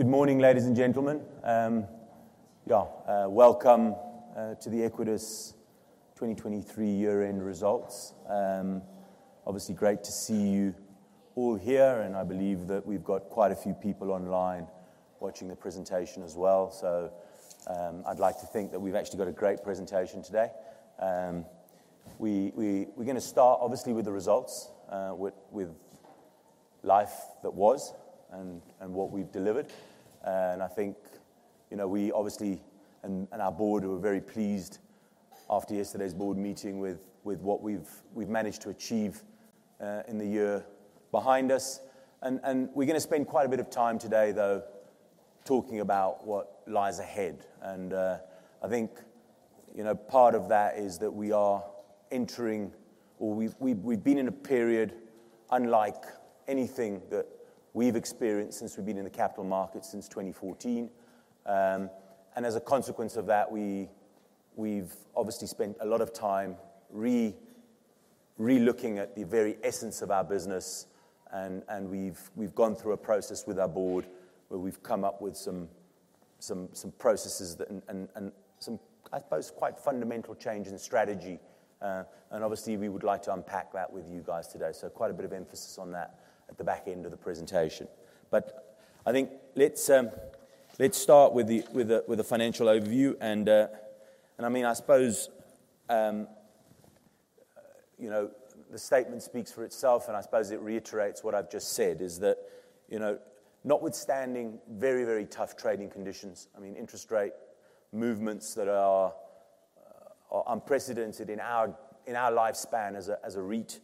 Good morning, ladies and gentlemen. Welcome to the Equites 2023 Year-End Results. Obviously great to see you all here, and I believe that we've got quite a few people online watching the presentation as well. I'd like to think that we've actually got a great presentation today. We're gonna start obviously with the results, with life that was and what we've delivered. I think, you know, we obviously and our board were very pleased after yesterday's board meeting with what we've managed to achieve in the year behind us. We're gonna spend quite a bit of time today, though, talking about what lies ahead. I think, you know, part of that is that we are entering or we've been in a period unlike anything that we've experienced since we've been in the capital market since 2014. As a consequence of that, we've obviously spent a lot of time relooking at the very essence of our business, and we've gone through a process with our board where we've come up with some processes and some, I suppose, quite fundamental change in strategy. Obviously we would like to unpack that with you guys today. Quite a bit of emphasis on that at the back end of the presentation. I think let's start with the financial overview, and I mean, I suppose, you know, the statement speaks for itself, and I suppose it reiterates what I've just said, is that, you know, notwithstanding very, very tough trading conditions, I mean, interest rate movements that are unprecedented in our lifespan as a REIT,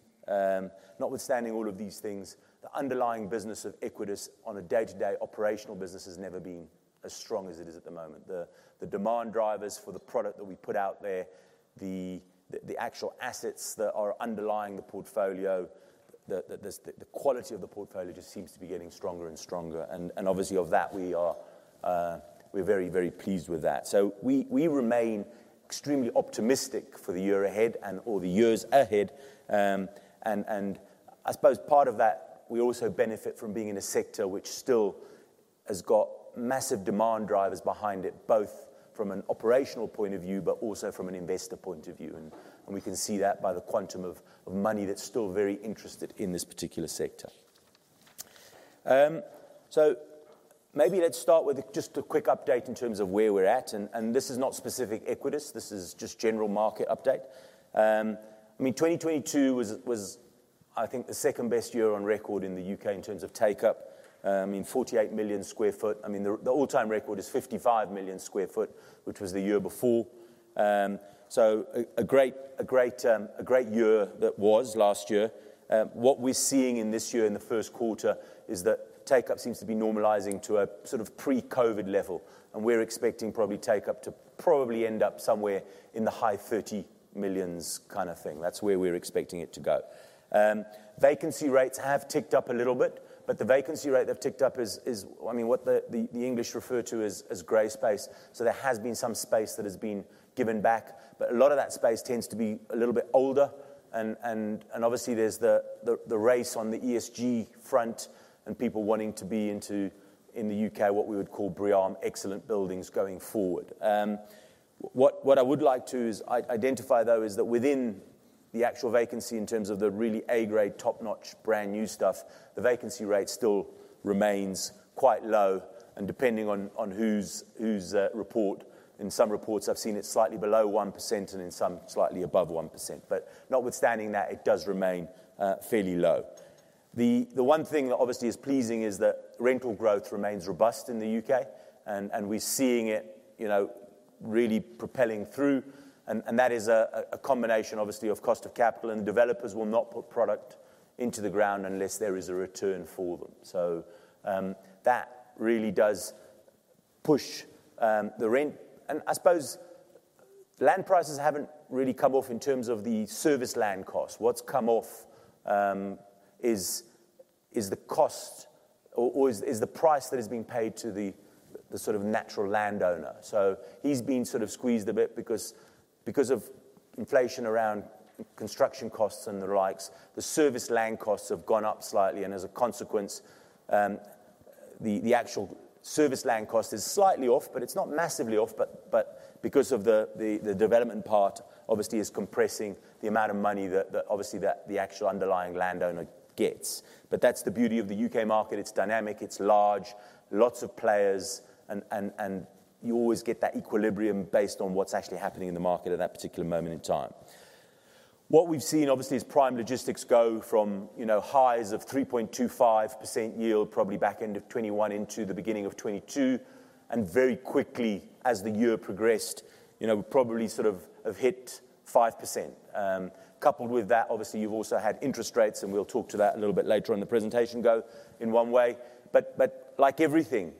notwithstanding all of these things, the underlying business of Equites on a day-to-day operational business has never been as strong as it is at the moment. The demand drivers for the product that we put out there, the actual assets that are underlying the portfolio, the quality of the portfolio just seems to be getting stronger and stronger and obviously of that we're very, very pleased with that. We remain extremely optimistic for the year ahead or the years ahead. I suppose part of that, we also benefit from being in a sector which still has got massive demand drivers behind it, both from an operational point of view, but also from an investor point of view. We can see that by the quantum of money that's still very interested in this particular sector. Maybe let's start with just a quick update in terms of where we're at. This is not specific Equites, this is just general market update. I mean, 2022 was I think the second best year on record in the U.K. in terms of take-up. I mean, 48 million sq ft. The all-time record is 55 million sq ft, which was the year before. A great year that was last year. What we're seeing in this year in the first quarter is that take-up seems to be normalizing to a sort of pre-COVID level, and we're expecting take-up to end up somewhere in the high 30 millions kinda thing. That's where we're expecting it to go. Vacancy rates have ticked up a little bit, but the vacancy rate they've ticked up is, I mean, what the English refer to as gray space. There has been some space that has been given back, but a lot of that space tends to be a little bit older and obviously there's the race on the ESG front and people wanting to be into, in the U.K., what we would call BREEAM excellent buildings going forward. What I would like to identify though is that within the actual vacancy in terms of the really A-grade, top-notch, brand-new stuff, the vacancy rate still remains quite low and depending on whose report. In some reports, I've seen it slightly below 1% and in some slightly above 1%. Notwithstanding that, it does remain fairly low. The one thing that obviously is pleasing is that rental growth remains robust in the U.K. and we're seeing it, you know, really propelling through and that is a combination obviously of cost of capital and developers will not put product into the ground unless there is a return for them. That really does push the rent. I suppose land prices haven't really come off in terms of the service land cost. What's come off is the cost or is the price that is being paid to the sort of natural landowner. He's been sort of squeezed a bit because of inflation around construction costs and the likes. The service land costs have gone up slightly and as a consequence, the actual service land cost is slightly off, but it's not massively off. Because of the development part obviously is compressing the amount of money that obviously the actual underlying landowner gets. That's the beauty of the U.K. market. It's dynamic, it's large, lots of players and you always get that equilibrium based on what's actually happening in the market at that particular moment in time. What we've seen obviously is prime logistics go from, you know, highs of 3.25% yield probably back end of 2021 into the beginning of 2022 and very quickly as the year progressed, you know, probably sort of hit 5%. Coupled with that, obviously you've also had interest rates, and we'll talk to that a little bit later in the presentation go in one way. Like everything,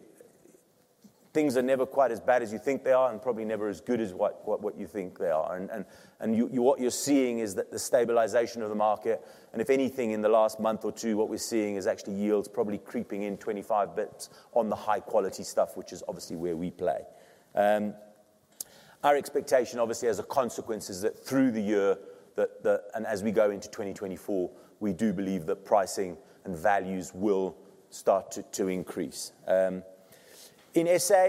things are never quite as bad as you think they are and probably never as good as what you think they are. You what you're seeing is the stabilization of the market and if anything in the last month or two, what we're seeing is actually yields probably creeping in 25 basis points on the high-quality stuff, which is obviously where we play. Our expectation, obviously, as a consequence, is that through the year and as we go into 2024, we do believe that pricing and values will start to increase. In SA,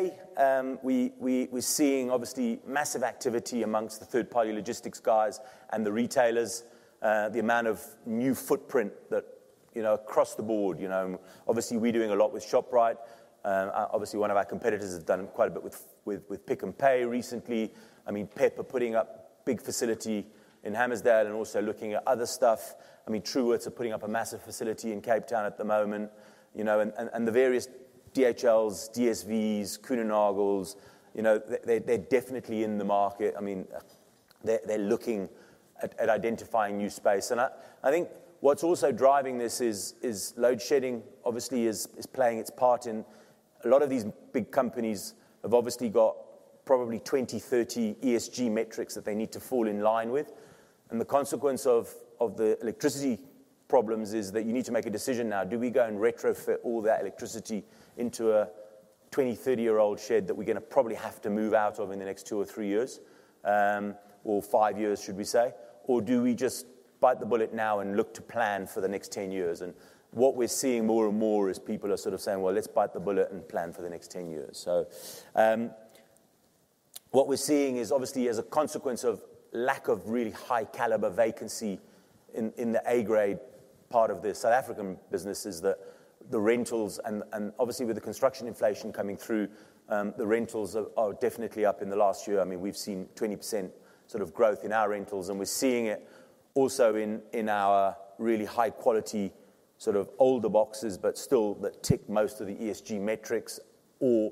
we're seeing obviously massive activity amongst the third-party logistics guys and the retailers. The amount of new footprint, you know, across the board, you know. Obviously, we're doing a lot with Shoprite. Obviously, one of our competitors has done quite a bit with Pick n Pay recently. I mean, PEP are putting up a big facility in Hammarsdale and also looking at other stuff. I mean, Truworths are putting up a massive facility in Cape Town at the moment, you know. The various DHLs, DSVs, Kuehne + Nagels, you know, they're definitely in the market. I mean, they're looking at identifying new space. I think what's also driving this is load shedding obviously playing its part in a lot of these big companies having obviously got probably 20-30 ESG metrics that they need to fall in line with. The consequence of the electricity problems is that you need to make a decision now. Do we go and retrofit all that electricity into a 20-30-year-old shed that we're gonna probably have to move out of in the next two or three years, or five years, should we say? Do we just bite the bullet now and look to plan for the next 10 years? What we're seeing more and more is people are sort of saying, "Well, let's bite the bullet and plan for the next 10 years." What we're seeing is obviously as a consequence of lack of really high caliber vacancy in the A grade part of the South African business is that the rentals and obviously with the construction inflation coming through, the rentals are definitely up in the last year. I mean, we've seen 20% sort of growth in our rentals, and we're seeing it also in our really high quality, sort of older boxes, but still that tick most of the ESG metrics, or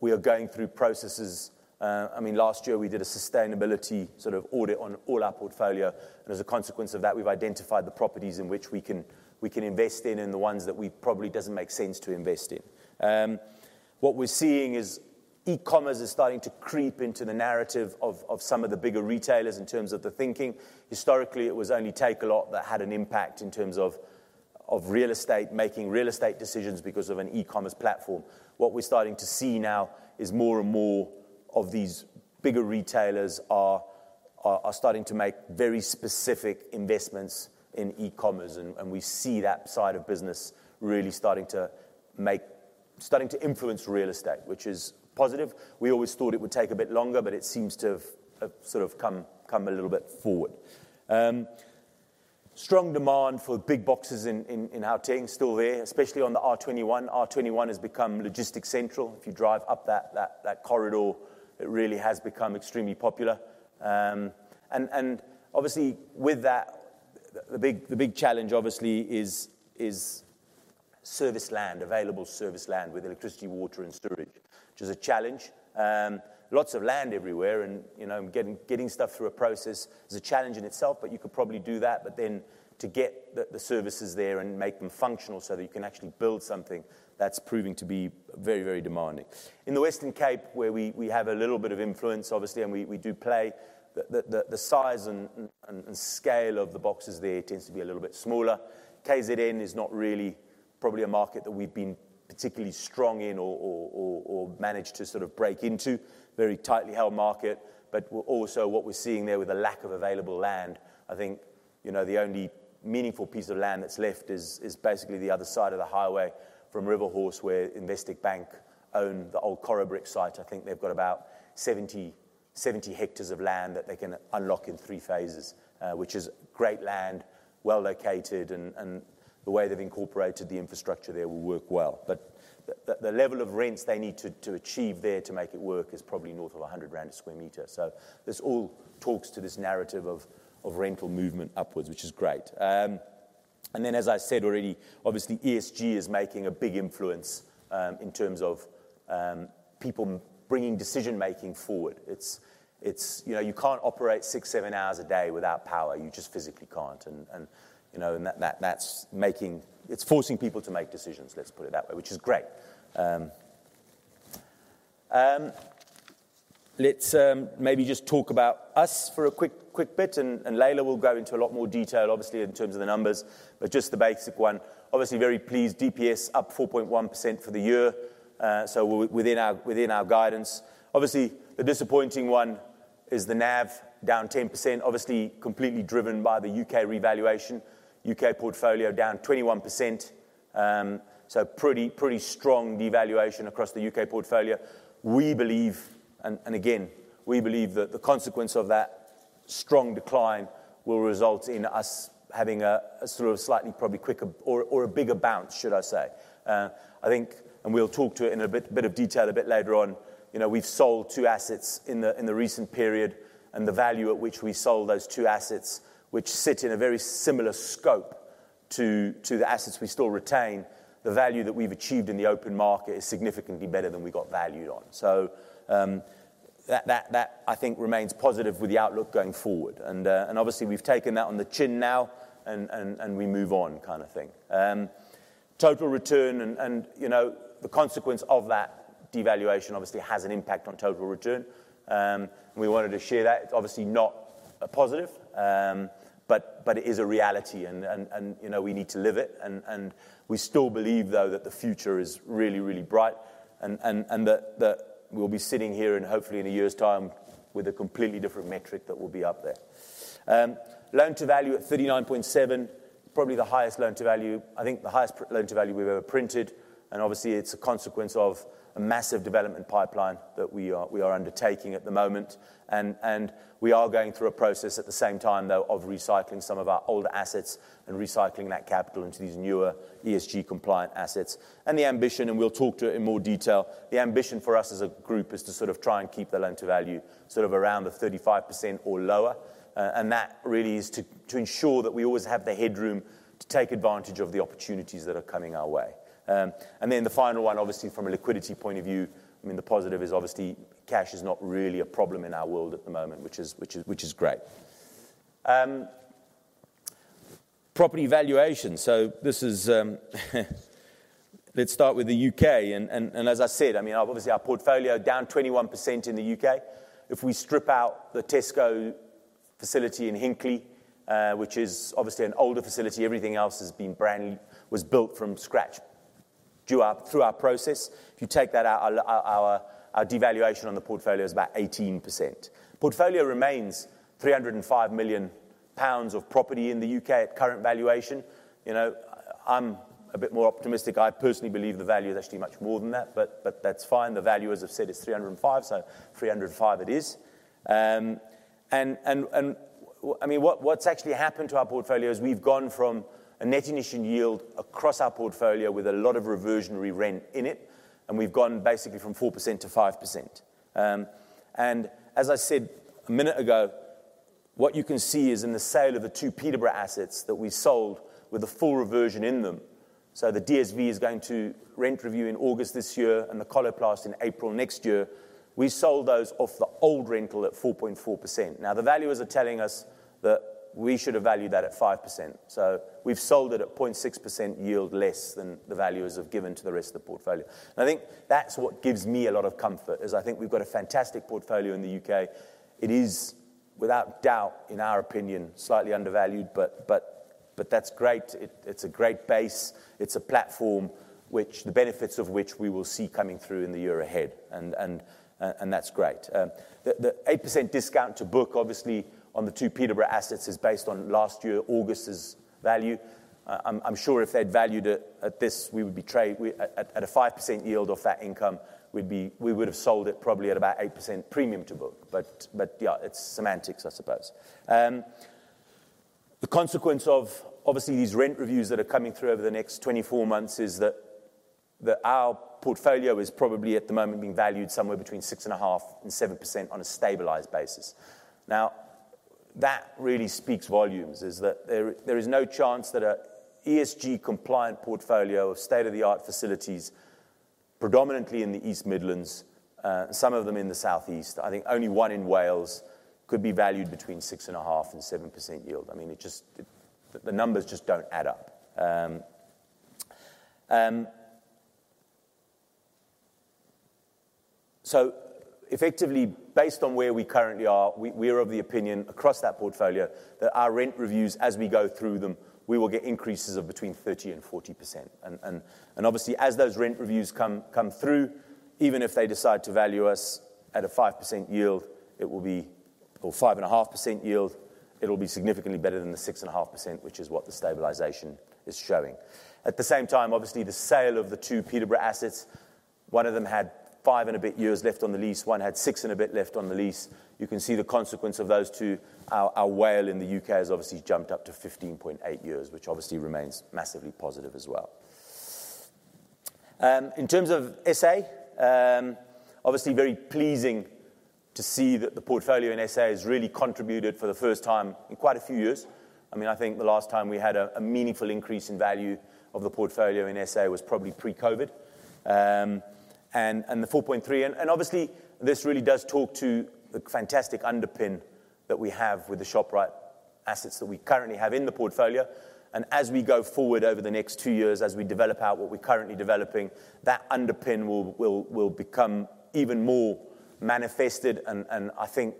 we are going through processes. I mean, last year we did a sustainability sort of audit on all our portfolio, and as a consequence of that, we've identified the properties in which we can invest in and the ones that we probably doesn't make sense to invest in. What we're seeing is e-commerce is starting to creep into the narrative of some of the bigger retailers in terms of the thinking. Historically, it was only Takealot that had an impact in terms of real estate making real estate decisions because of an e-commerce platform. What we're starting to see now is more and more of these bigger retailers are starting to make very specific investments in e-commerce. We see that side of business really starting to influence real estate, which is positive. We always thought it would take a bit longer, but it seems to have sort of come a little bit forward. Strong demand for big boxes in Gauteng is still there, especially on the R21. R21 has become logistics central. If you drive up that corridor, it really has become extremely popular. Obviously with that, the big challenge obviously is serviced land, available serviced land with electricity, water and sewage, which is a challenge. Lots of land everywhere and you know, getting stuff through a process is a challenge in itself. You could probably do that. To get the services there and make them functional so that you can actually build something, that's proving to be very demanding. In the Western Cape, where we have a little bit of influence, obviously, and we do play, the size and scale of the boxes there tends to be a little bit smaller. KZN is not really probably a market that we've been particularly strong in or managed to sort of break into. Very tightly held market. Also what we're seeing there with the lack of available land, I think, you know, the only meaningful piece of land that's left is basically the other side of the highway from Riverhorse, where Investec Bank own the old Corobrik site. I think they've got about 70 hectares of land that they can unlock in three phases, which is great land, well-located, and the way they've incorporated the infrastructure there will work well. The level of rents they need to achieve there to make it work is probably north of 100 ZAR/sq m. This all talks to this narrative of rental movement upwards, which is great. As I said already, obviously ESG is making a big influence in terms of people bringing decision-making forward. It's you know, you can't operate six, seven hours a day without power. You just physically can't. You know, and that that's forcing people to make decisions, let's put it that way, which is great. Let's maybe just talk about us for a quick bit, and Laila will go into a lot more detail obviously in terms of the numbers, but just the basic one. Obviously very pleased. DPS up 4.1% for the year. So within our guidance. Obviously, the disappointing one is the NAV down 10%, obviously completely driven by the U.K. revaluation. U.K. portfolio down 21%. So pretty strong devaluation across the U.K. portfolio. We believe, and again, we believe that the consequence of that strong decline will result in us having a sort of slightly probably quicker or a bigger bounce, should I say. I think, and we'll talk to it in a bit of detail a bit later on. You know, we've sold two assets in the recent period, and the value at which we sold those two assets, which sit in a very similar scope to the assets we still retain, the value that we've achieved in the open market is significantly better than we got valued on. That I think remains positive with the outlook going forward. Obviously we've taken that on the chin now and we move on kind of thing. Total return and you know, the consequence of that devaluation obviously has an impact on total return. We wanted to share that. It's obviously not a positive, but it is a reality and, you know, we need to live it and we still believe though that the future is really bright and that we'll be sitting here and hopefully in a year's time with a completely different metric that will be up there. Loan to value at 39.7%, probably the highest loan to value, I think the highest loan to value we've ever printed, and obviously it's a consequence of a massive development pipeline that we are undertaking at the moment. We are going through a process at the same time though, of recycling some of our older assets and recycling that capital into these newer ESG compliant assets. The ambition, and we'll talk to it in more detail, the ambition for us as a group is to sort of try and keep the loan to value sort of around the 35% or lower. That really is to ensure that we always have the headroom to take advantage of the opportunities that are coming our way. The final one, obviously from a liquidity point of view, I mean, the positive is obviously cash is not really a problem in our world at the moment, which is great. Property valuation. This is, let's start with the U.K. As I said, I mean, obviously our portfolio down 21% in the U.K. If we strip out the Tesco facility in Hinckley, which is obviously an older facility, everything else was built from scratch through our process. If you take that out, our devaluation on the portfolio is about 18%. Portfolio remains 305 million pounds of property in the U.K. at current valuation. You know, I'm a bit more optimistic. I personally believe the value is actually much more than that, but that's fine. The value, as I've said, is 305, so 305 it is. I mean, what's actually happened to our portfolio is we've gone from a net initial yield across our portfolio with a lot of reversionary rent in it, and we've gone basically from 4% to 5%. As I said a minute ago, what you can see is in the sale of the two Peterborough assets that we sold with a full reversion in them. The DSV is going to rent review in August this year and the Coloplast in April next year. We sold those off the old rental at 4.4%. Now, the valuers are telling us that we should have valued that at 5%. We've sold it at 0.6% yield less than the valuers have given to the rest of the portfolio. I think that's what gives me a lot of comfort, is I think we've got a fantastic portfolio in the U.K. It is without doubt, in our opinion, slightly undervalued, but that's great. It's a great base. It's a platform, the benefits of which we will see coming through in the year ahead, and that's great. The 8% discount to book obviously on the two Peterborough assets is based on last year, August's value. I'm sure if they'd valued it at this, we would trade at a 5% yield of that income, we would have sold it probably at about 8% premium to book. Yeah, it's semantics, I suppose. The consequence of obviously these rent reviews that are coming through over the next 24 months is that our portfolio is probably at the moment being valued somewhere between 6.5% and 7% on a stabilized basis. Now, that really speaks volumes, is that there is no chance that an ESG compliant portfolio of state-of-the-art facilities, predominantly in the East Midlands, some of them in the Southeast, I think only one in Wales, could be valued between 6.5% and 7% yield. I mean, it just. The numbers just don't add up. So effectively, based on where we currently are, we are of the opinion across that portfolio that our rent reviews, as we go through them, we will get increases of between 30% and 40%. Obviously, as those rent reviews come through, even if they decide to value us at a 5% yield or 5.5% yield, it will be significantly better than the 6.5%, which is what the stabilization is showing. At the same time, obviously, the sale of the two Peterborough assets, one of them had five and a bit years left on the lease, one had six and a bit left on the lease. You can see the consequence of those two. Our WALE in the U.K. has obviously jumped up to 15.8 years, which obviously remains massively positive as well. In terms of SA, obviously very pleasing to see that the portfolio in SA has really contributed for the first time in quite a few years. I mean, I think the last time we had a meaningful increase in value of the portfolio in SA was probably pre-COVID. And the 4.3. Obviously, this really does talk to the fantastic underpin that we have with the Shoprite assets that we currently have in the portfolio. As we go forward over the next two years, as we develop out what we're currently developing, that underpin will become even more manifested. I think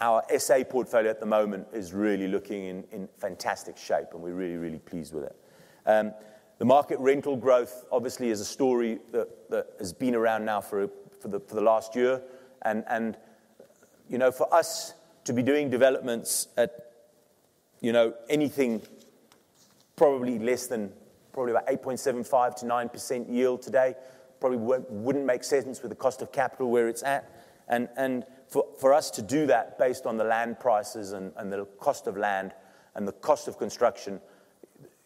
our SA portfolio at the moment is really looking in fantastic shape, and we're really pleased with it. The market rental growth obviously is a story that has been around now for the last year. You know, for us to be doing developments at, you know, anything probably less than probably about 8.75%-9% yield today probably wouldn't make sense with the cost of capital where it's at. For us to do that based on the land prices and the cost of land and the cost of construction,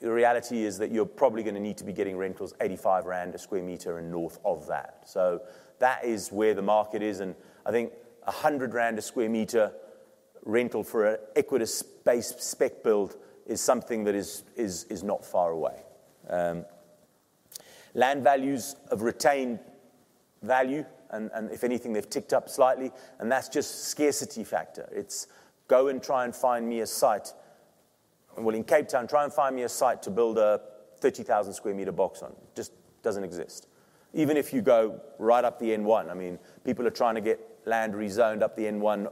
the reality is that you're probably gonna need to be getting rentals 85 rand a sq m and north of that. That is where the market is, and I think a ZAR 100 a sq m rental for an Equites base spec build is something that is not far away. Land values have retained value, and if anything, they've ticked up slightly, and that's just scarcity factor. It's go and try and find me a site. Well, in Cape Town, try and find me a site to build a 30,000 sq m box on. Just doesn't exist. Even if you go right up the N1, I mean, people are trying to get land rezoned up the N1.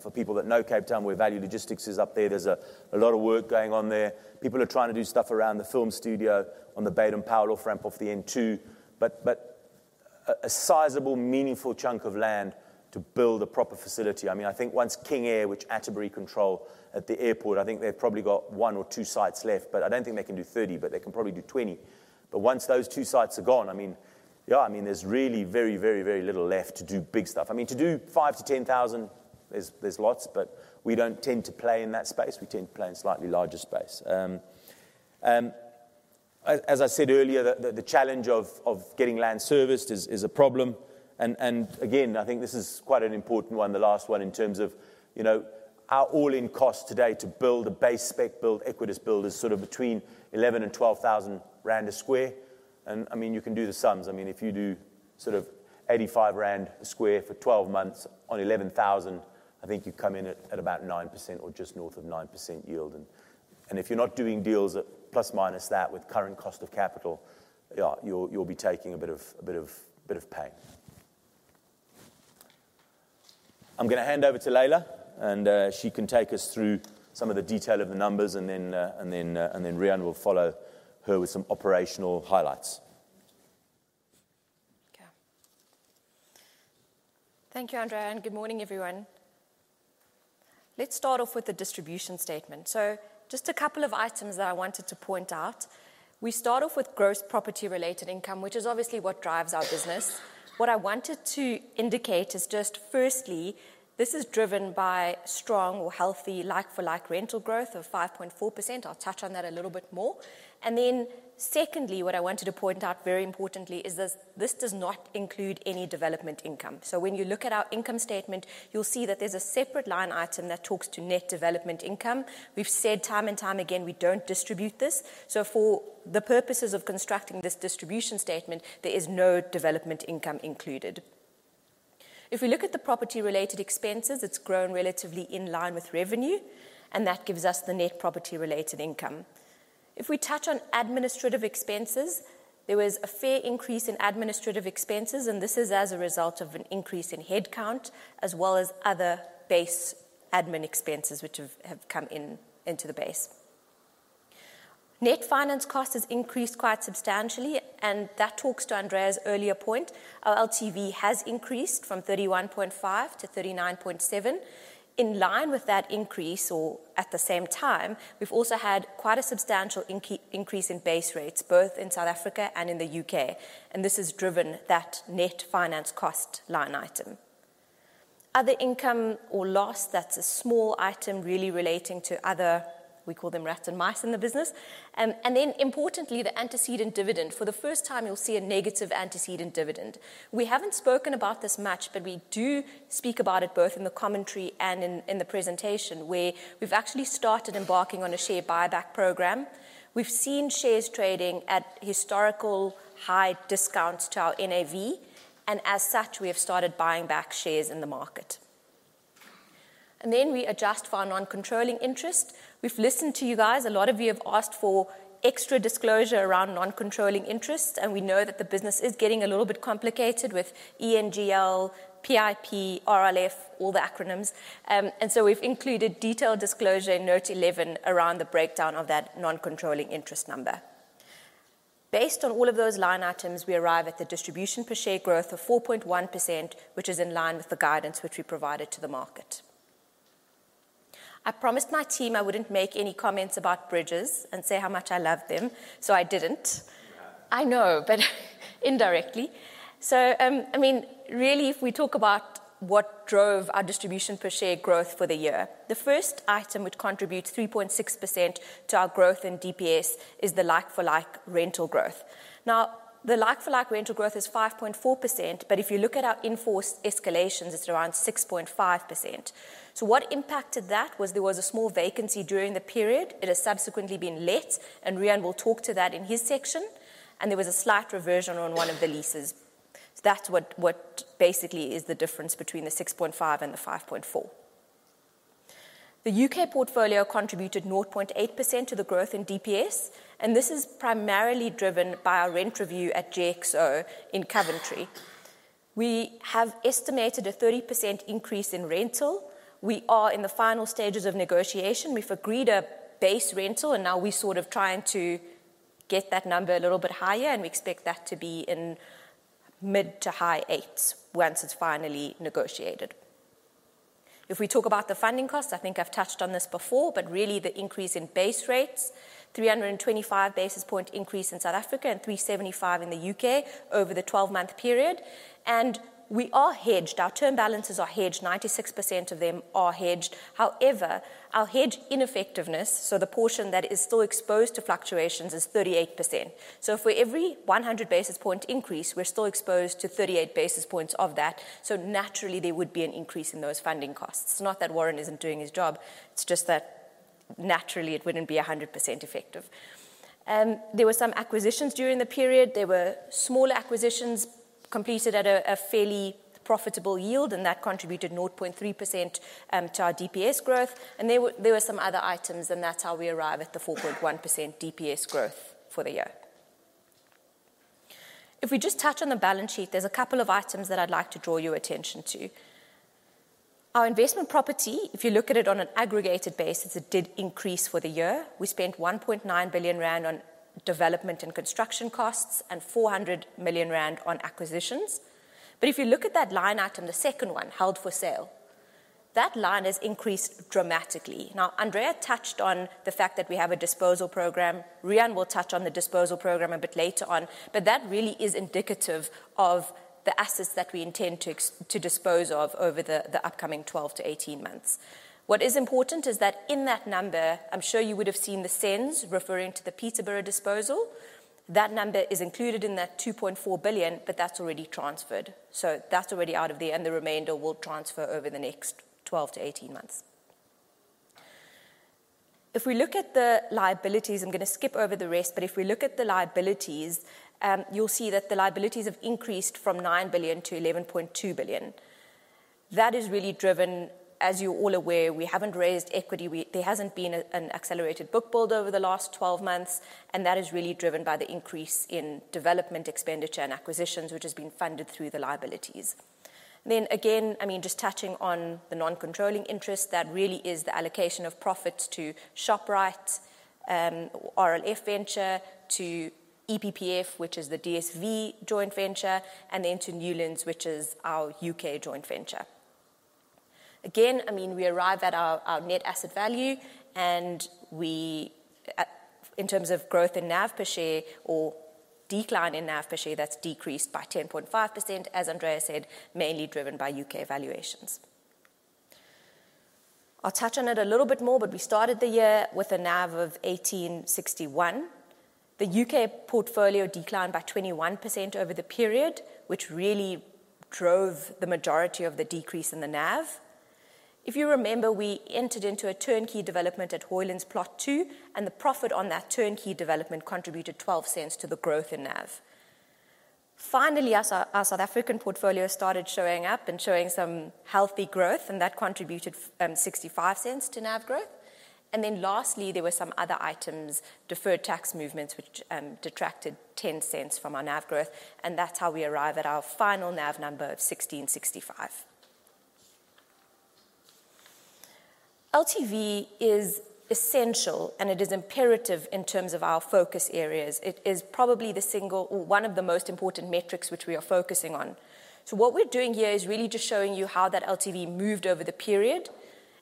For people that know Cape Town, where Value Logistics is up there's a lot of work going on there. People are trying to do stuff around the film studio on the Baden Powell off-ramp off the N2. A sizable, meaningful chunk of land to build a proper facility. I mean, I think once King Air Industria, which Atterbury control at the airport, I mean, I think they've probably got one or two sites left, but I don't think they can do 30, but they can probably do 20. Once those two sites are gone, I mean, yeah, I mean, there's really very little left to do big stuff. I mean, to do 5,000-10,000, there's lots, but we don't tend to play in that space. We tend to play in slightly larger space. As I said earlier, the challenge of getting land serviced is a problem. Again, I think this is quite an important one, the last one, in terms of you know our all-in cost today to build a base spec build, Equites build is sort of between 11,000 and 12,000 rand a square. I mean, you can do the sums. I mean, if you do sort of 85 rand a square for 12 months on 11,000, I think you'd come in at about 9% or just north of 9% yield. If you're not doing deals at plus minus that with current cost of capital, yeah, you'll be taking a bit of pain. I'm gonna hand over to Laila, and she can take us through some of the detail of the numbers, and then Riaan will follow her with some operational highlights. Okay. Thank you, Andrea, and good morning, everyone. Let's start off with the distribution statement. Just a couple of items that I wanted to point out. We start off with gross property-related income, which is obviously what drives our business. What I wanted to indicate is just firstly, this is driven by strong or healthy like-for-like rental growth of 5.4%. I'll touch on that a little bit more. Second, what I wanted to point out very importantly is this does not include any development income. When you look at our income statement, you'll see that there's a separate line item that talks to net development income. We've said time and time again, we don't distribute this. For the purposes of constructing this distribution statement, there is no development income included. If we look at the property-related expenses, it's grown relatively in line with revenue, and that gives us the net property-related income. If we touch on administrative expenses, there was a fair increase in administrative expenses, and this is as a result of an increase in head count as well as other base admin expenses which have come into the base. Net finance cost has increased quite substantially, and that talks to Andrea's earlier point. Our LTV has increased from 31.5 to 39.7. In line with that increase or at the same time, we've also had quite a substantial increase in base rates, both in South Africa and in the U.K., and this has driven that net finance cost line item. Other income or loss, that's a small item really relating to other, we call them rats and mice in the business. Importantly, the antecedent dividend. For the first time, you'll see a negative antecedent dividend. We haven't spoken about this much, but we do speak about it both in the commentary and in the presentation, where we've actually started embarking on a share buyback program. We've seen shares trading at historical high discounts to our NAV, and as such, we have started buying back shares in the market. We adjust for our non-controlling interest. We've listened to you guys. A lot of you have asked for extra disclosure around non-controlling interest, and we know that the business is getting a little bit complicated with ENGL, PIP, RLF, all the acronyms. We've included detailed disclosure in note 11 around the breakdown of that non-controlling interest number. Based on all of those line items, we arrive at the distribution per share growth of 4.1%, which is in line with the guidance which we provided to the market. I promised my team I wouldn't make any comments about bridges and say how much I love them, so I didn't. I know, but indirectly. I mean, really, if we talk about what drove our distribution per share growth for the year, the first item which contributes 3.6% to our growth in DPS is the like-for-like rental growth. Now, the like-for-like rental growth is 5.4%, but if you look at our in-force escalations, it's around 6.5%. What impacted that was there was a small vacancy during the period. It has subsequently been let, and Riaan will talk to that in his section, and there was a slight reversion on one of the leases. That's what basically is the difference between the 6.5 and the 5.4. The U.K. portfolio contributed 0.8% to the growth in DPS, and this is primarily driven by our rent review at GXO in Coventry. We have estimated a 30% increase in rental. We are in the final stages of negotiation. We've agreed a base rental, and now we're sort of trying to get that number a little bit higher, and we expect that to be in mid- to high eights once it's finally negotiated. If we talk about the funding costs, I think I've touched on this before, but really the increase in base rates, 325 basis point increase in South Africa and 375 in the U.K. over the 12-month period. We are hedged. Our term balances are hedged. 96% of them are hedged. However, our hedge ineffectiveness, so the portion that is still exposed to fluctuations, is 38%. For every 100 basis point increase, we're still exposed to 38 basis points of that, so naturally there would be an increase in those funding costs. It's not that Warren isn't doing his job. It's just that naturally it wouldn't be a 100% effective. There were some acquisitions during the period. There were small acquisitions completed at a fairly profitable yield, and that contributed 0.3% to our DPS growth. There were some other items, and that's how we arrive at the 4.1% DPS growth for the year. If we just touch on the balance sheet, there's a couple of items that I'd like to draw your attention to. Our investment property, if you look at it on an aggregated basis, it did increase for the year. We spent 1.9 billion rand on development and construction costs and 400 million rand on acquisitions. If you look at that line item, the second one, held for sale, that line has increased dramatically. Now, Andrea touched on the fact that we have a disposal program. Riaan will touch on the disposal program a bit later on, but that really is indicative of the assets that we intend to dispose of over the upcoming 12-18 months. What is important is that in that number, I'm sure you would have seen the cents referring to the Peterborough disposal. That number is included in that 2.4 billion, but that's already transferred. That's already out of there, and the remainder will transfer over the next 12-18 months. If we look at the liabilities, I'm gonna skip over the rest, but if we look at the liabilities, you'll see that the liabilities have increased from 9 billion to 11.2 billion. That is really driven, as you're all aware, we haven't raised equity. There hasn't been an accelerated book build over the last 12 months, and that is really driven by the increase in development expenditure and acquisitions, which has been funded through the liabilities. Again, I mean, just touching on the non-controlling interest, that really is the allocation of profits to Shoprite, RLF Venture, to EPPF, which is the DSV joint venture, and then to Newlands, which is our U.K. joint venture. I mean, we arrive at our net asset value, and we in terms of growth in NAV per share or decline in NAV per share, that's decreased by 10.5%, as Andrea said, mainly driven by U.K. valuations. I'll touch on it a little bit more, but we started the year with a NAV of 18.61. The U.K. portfolio declined by 21% over the period, which really drove the majority of the decrease in the NAV. If you remember, we entered into a turnkey development at Hoylands Plot Two, and the profit on that turnkey development contributed 0.12 to the growth in NAV. Finally, our South African portfolio started showing up and showing some healthy growth, and that contributed 0.65 to NAV growth. Lastly, there were some other items, deferred tax movements, which detracted 0.10 from our NAV growth, and that's how we arrive at our final NAV number of 1665. LTV is essential, and it is imperative in terms of our focus areas. It is probably the single or one of the most important metrics which we are focusing on. What we're doing here is really just showing you how that LTV moved over the period,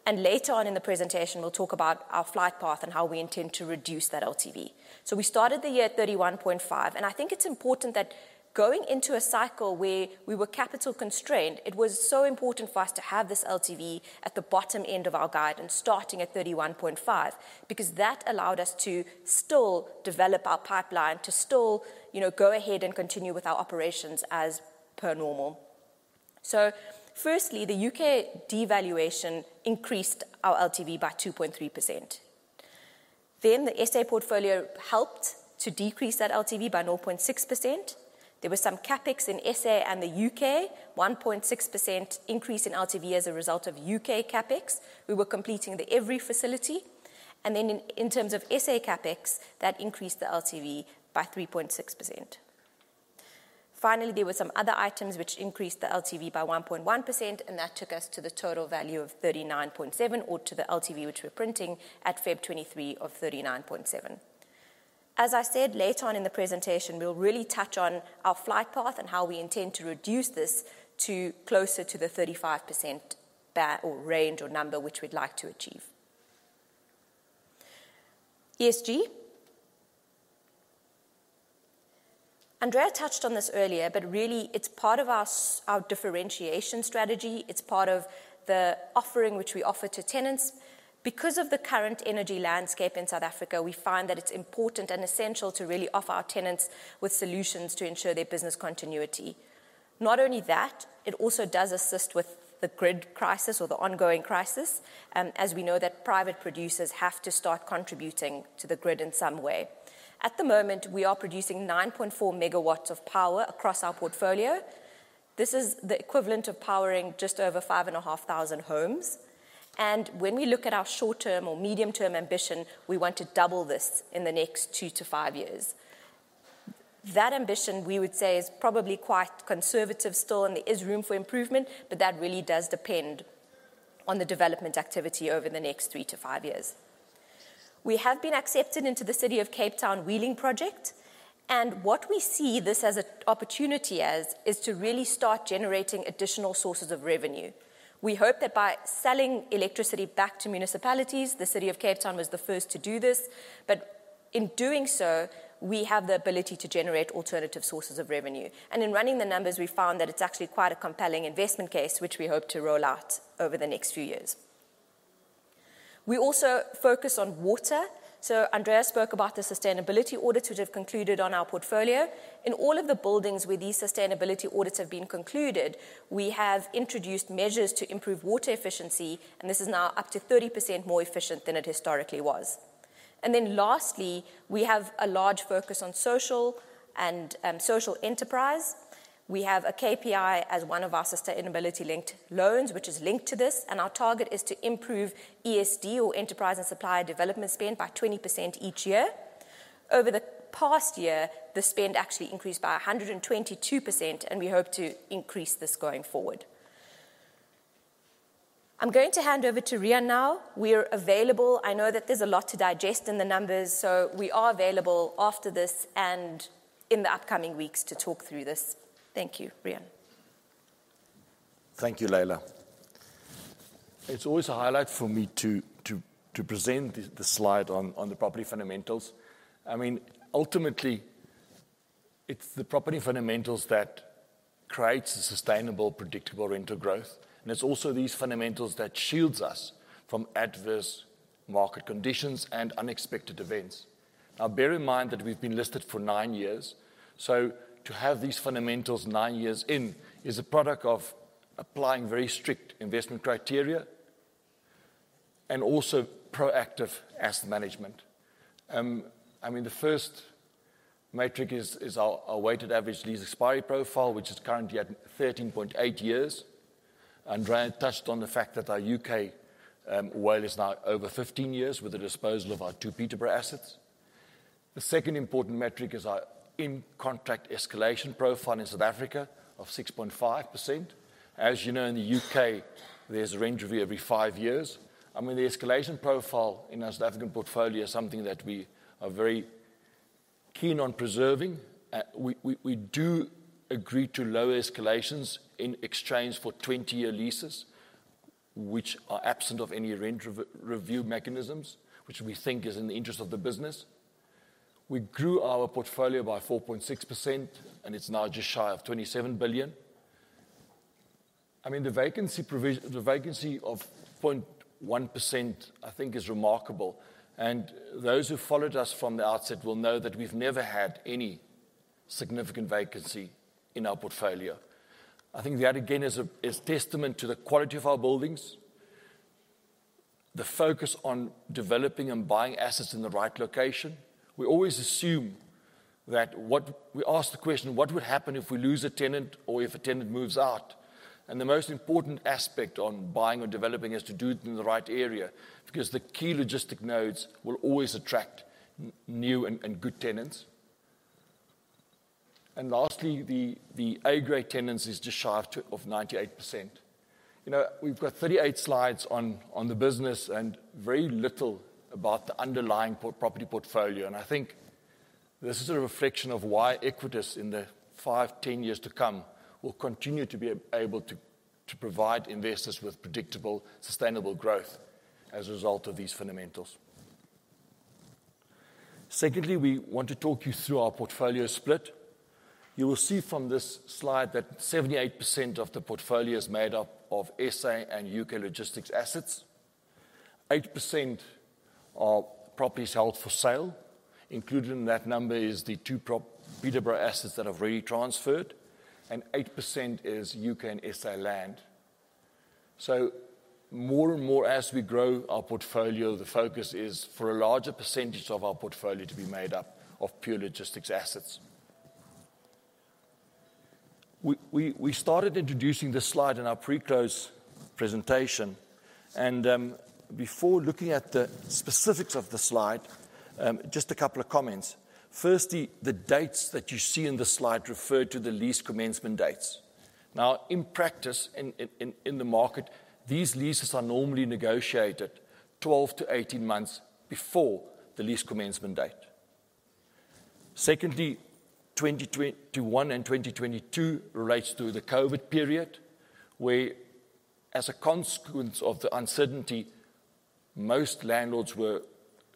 and later on in the presentation, we'll talk about our flight path and how we intend to reduce that LTV. We started the year at 31.5, and I think it's important that going into a cycle where we were capital constrained, it was so important for us to have this LTV at the bottom end of our guidance starting at 31.5, because that allowed us to still develop our pipeline, to still, you know, go ahead and continue with our operations as per normal. Firstly, the U.K. devaluation increased our LTV by 2.3%. The SA portfolio helped to decrease that LTV by 0.6%. There was some CapEx in SA and the U.K., 1.6% increase in LTV as a result of U.K. CapEx. We were completing the EVRi facility. In terms of SA CapEx, that increased the LTV by 3.6%. Finally, there were some other items which increased the LTV by 1.1%, and that took us to the total value of 39.7 or to the LTV which we're printing at Feb 2023 of 39.7. As I said, later on in the presentation, we'll really touch on our flight path and how we intend to reduce this to closer to the 35% or range or number which we'd like to achieve. ESG. Andrea touched on this earlier, but really it's part of our our differentiation strategy. It's part of the offering which we offer to tenants. Because of the current energy landscape in South Africa, we find that it's important and essential to really offer our tenants with solutions to ensure their business continuity. Not only that, it also does assist with the grid crisis or the ongoing crisis, as we know that private producers have to start contributing to the grid in some way. At the moment, we are producing 9.4 MW of power across our portfolio. This is the equivalent of powering just over 5,500 homes. When we look at our short-term or medium-term ambition, we want to double this in the next two to five years. That ambition, we would say, is probably quite conservative still, and there is room for improvement, but that really does depend on the development activity over the next three to five years. We have been accepted into the City of Cape Town Wheeling project, and what we see this as a opportunity as is to really start generating additional sources of revenue. We hope that by selling electricity back to municipalities, the City of Cape Town was the first to do this, but in doing so, we have the ability to generate alternative sources of revenue. In running the numbers, we found that it's actually quite a compelling investment case, which we hope to roll out over the next few years. We also focus on water. Andrea spoke about the sustainability audits which have concluded on our portfolio. In all of the buildings where these sustainability audits have been concluded, we have introduced measures to improve water efficiency, and this is now up to 30% more efficient than it historically was. Lastly, we have a large focus on social and social enterprise. We have a KPI as one of our sustainability-linked loans, which is linked to this, and our target is to improve ESD or enterprise and supplier development spend by 20% each year. Over the past year, the spend actually increased by 122%, and we hope to increase this going forward. I'm going to hand over to Riaan now. We're available. I know that there's a lot to digest in the numbers, so we are available after this and in the upcoming weeks to talk through this. Thank you. Riaan. Thank you, Laila. It's always a highlight for me to present the slide on the property fundamentals. I mean, ultimately, it's the property fundamentals that creates a sustainable, predictable rental growth, and it's also these fundamentals that shields us from adverse market conditions and unexpected events. Bear in mind that we've been listed for nine years, so to have these fundamentals nine years in is a product of applying very strict investment criteria and also proactive asset management. I mean the first metric is our weighted average lease expiry profile, which is currently at 13.8 years. Andrea touched on the fact that our U.K. WALE is now over 15 years with the disposal of our two Peterborough assets. The second important metric is our in-contract escalation profile in South Africa of 6.5%. As you know, in the U.K., there's a rent review every five years. I mean, the escalation profile in our South African portfolio is something that we are very keen on preserving. We do agree to lower escalations in exchange for 20-year leases, which are absent of any rent review mechanisms, which we think is in the interest of the business. We grew our portfolio by 4.6%, and it's now just shy of 27 billion. I mean, the vacancy of 0.1% I think is remarkable, and those who followed us from the outset will know that we've never had any significant vacancy in our portfolio. I think that again is testament to the quality of our buildings, the focus on developing and buying assets in the right location. We always assume that what... We ask the question, "What would happen if we lose a tenant or if a tenant moves out?" The most important aspect on buying or developing is to do it in the right area, because the key logistic nodes will always attract new and good tenants. Lastly, the A-grade tenancy is just shy of 98%. You know, we've got 38 slides on the business and very little about the underlying property portfolio, and I think this is a reflection of why Equites in the five, 10 years to come will continue to be able to provide investors with predictable, sustainable growth as a result of these fundamentals. Secondly, we want to talk you through our portfolio split. You will see from this slide that 78% of the portfolio is made up of SA and U.K. logistics assets. 8% are properties held for sale. Included in that number is the two Peterborough assets that have already transferred, and 8% is U.K. and SA land. More and more as we grow our portfolio, the focus is for a larger percentage of our portfolio to be made up of pure logistics assets. We started introducing this slide in our pre-close presentation, and before looking at the specifics of the slide, just a couple of comments. Firstly, the dates that you see in the slide refer to the lease commencement dates. Now, in practice, in the market, these leases are normally negotiated 12 to 18 months before the lease commencement date. Secondly, 2021 and 2022 relates to the COVID period, where as a consequence of the uncertainty, most landlords were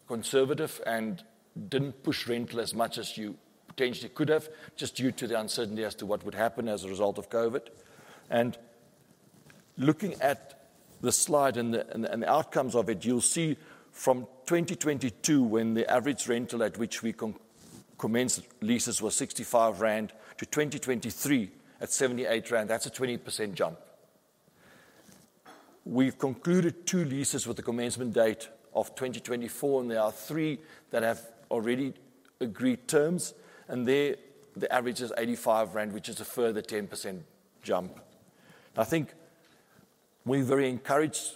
conservative and didn't push rental as much as you potentially could have, just due to the uncertainty as to what would happen as a result of COVID. Looking at the slide and the outcomes of it, you'll see from 2022, when the average rental at which we commenced leases was 65 rand, to 2023 at 78 rand, that's a 20% jump. We've concluded two leases with a commencement date of 2024, and there are three that have already agreed terms, and there the average is 85 rand, which is a further 10% jump. I think we're very encouraged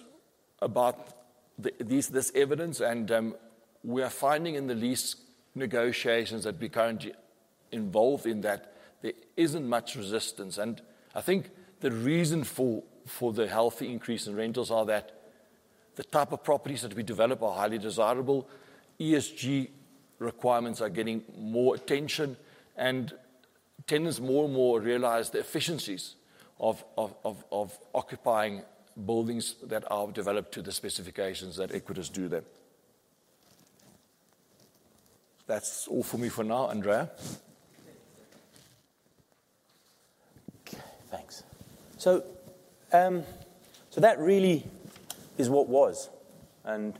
about this evidence and we are finding in the lease negotiations that we're currently involved in that there isn't much resistance. I think the reason for the healthy increase in rentals are that the type of properties that we develop are highly desirable. ESG requirements are getting more attention, and tenants more and more realize the efficiencies of occupying buildings that are developed to the specifications that Equites do them. That's all for me for now. Andrea. Okay. Thanks. So that really is what was, and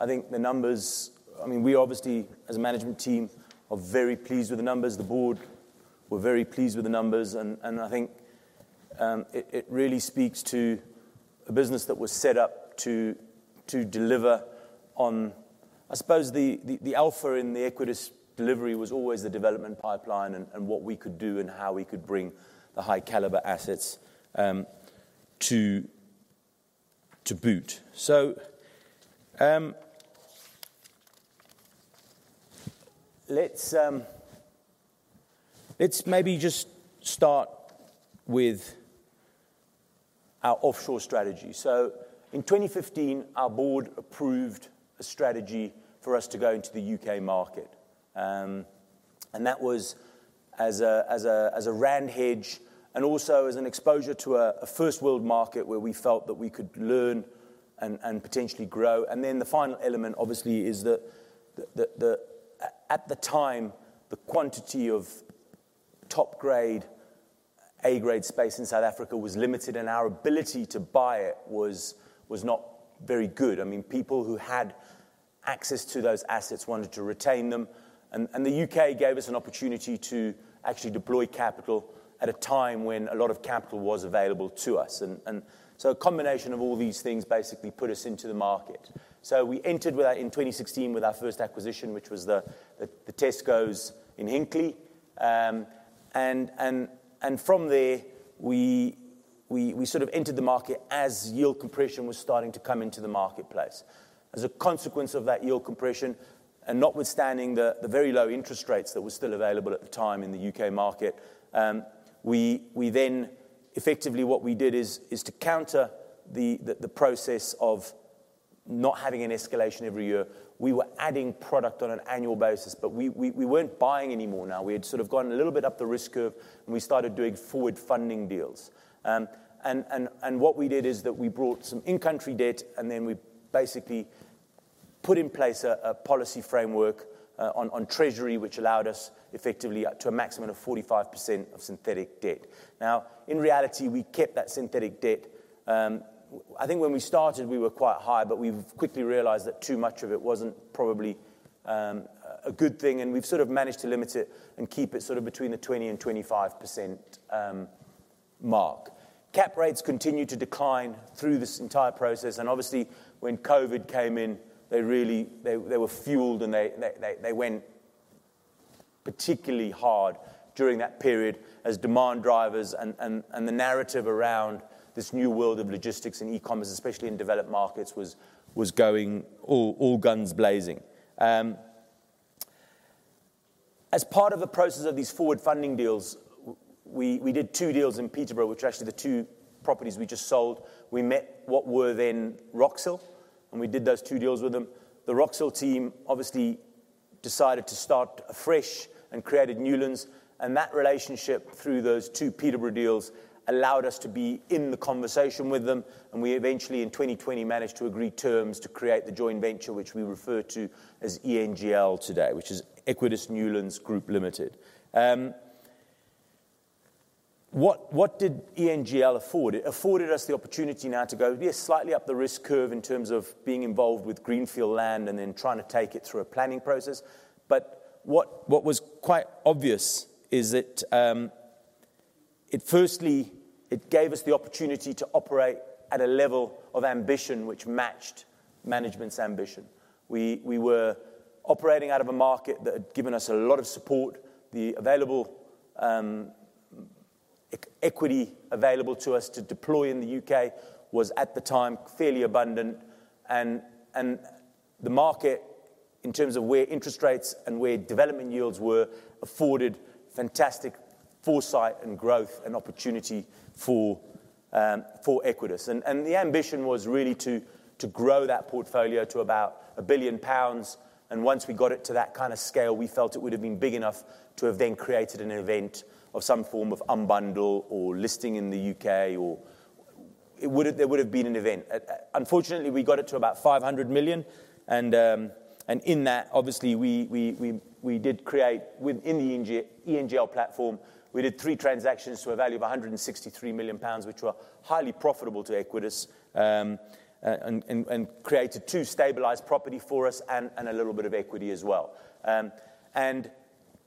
I think the numbers I mean, we obviously as a management team are very pleased with the numbers. The board were very pleased with the numbers, and I think It really speaks to a business that was set up to deliver on. I suppose the alpha in the Equites delivery was always the development pipeline and what we could do and how we could bring the high caliber assets to boot. Let's maybe just start with our offshore strategy. In 2015, our board approved a strategy for us to go into the U.K. market. That was as a rand hedge and also as an exposure to a first world market where we felt that we could learn and potentially grow. The final element obviously is that the At the time, the quantity of top grade, A-grade space in South Africa was limited, and our ability to buy it was not very good. I mean, people who had access to those assets wanted to retain them. The U.K. gave us an opportunity to actually deploy capital at a time when a lot of capital was available to us. A combination of all these things basically put us into the market. We entered in 2016 with our first acquisition, which was the Tesco in Hinckley. From there, we sort of entered the market as yield compression was starting to come into the marketplace. As a consequence of that yield compression, and notwithstanding the very low interest rates that were still available at the time in the U.K. market, we then effectively what we did is to counter the process of not having an escalation every year. We were adding product on an annual basis, but we weren't buying anymore now. We had sort of gone a little bit up the risk curve, and we started doing forward funding deals. What we did is that we brought some in-country debt, and then we basically put in place a policy framework on treasury, which allowed us effectively up to a maximum of 45% of synthetic debt. Now, in reality, we kept that synthetic debt. I think when we started, we were quite high, but we've quickly realized that too much of it wasn't probably a good thing, and we've sort of managed to limit it and keep it sort of between the 20%-25% mark. Cap rates continued to decline through this entire process, and obviously when COVID came in, they really were fueled, and they went particularly hard during that period as demand drivers and the narrative around this new world of logistics and e-commerce, especially in developed markets, was going all guns blazing. As part of the process of these forward funding deals, we did two deals in Peterborough, which are actually the two properties we just sold. We met what were then Roxhill, and we did those two deals with them. The Roxhill team obviously decided to start afresh and created Newlands, and that relationship through those two Peterborough deals allowed us to be in the conversation with them, and we eventually in 2020 managed to agree terms to create the joint venture, which we refer to as ENGL today, which is Equites Newlands Group Limited. What did ENGL afford? It afforded us the opportunity now to go, yes, slightly up the risk curve in terms of being involved with greenfield land and then trying to take it through a planning process. What was quite obvious is that it firstly, it gave us the opportunity to operate at a level of ambition which matched management's ambition. We were operating out of a market that had given us a lot of support. The available equity available to us to deploy in the U.K. was at the time fairly abundant. The market, in terms of where interest rates and where development yields were, afforded fantastic foresight and growth and opportunity for Equites. The ambition was really to grow that portfolio to about one billion pounds. Once we got it to that kind of scale, we felt it would have been big enough to have then created an event of some form of unbundle or listing in the U.K. or there would have been an event. Unfortunately, we got it to about 500 million. In that, obviously, we did create within the ENGL platform. We did three transactions to a value of 163 million pounds, which were highly profitable to Equites, and created two stabilized property for us and a little bit of equity as well.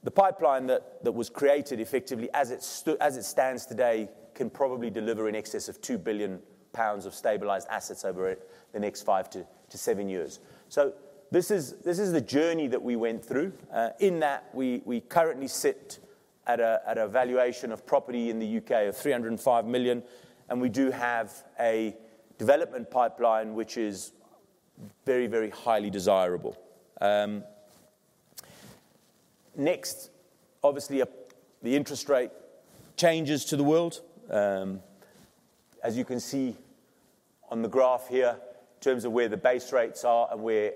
The pipeline that was created effectively as it stands today can probably deliver in excess of 2 billion pounds of stabilized assets over the next five to seven years. This is the journey that we went through. In that, we currently sit at a valuation of property in the U.K. of 305 million, and we do have a development pipeline which is very highly desirable. Next, obviously, the interest rate changes to the world. As you can see on the graph here, in terms of where the base rates are and where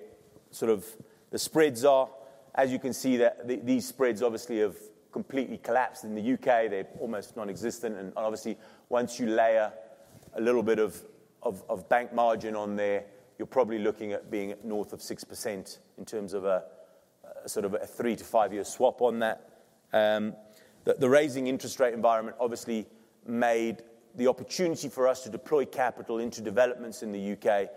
sort of the spreads are, as you can see that these spreads obviously have completely collapsed in the U.K. They're almost nonexistent. Obviously, once you layer a little bit of bank margin on there, you're probably looking at being north of 6% in terms of a sort of a three-to-five-year swap on that. The rising interest rate environment obviously made the opportunity for us to deploy capital into developments in the U.K.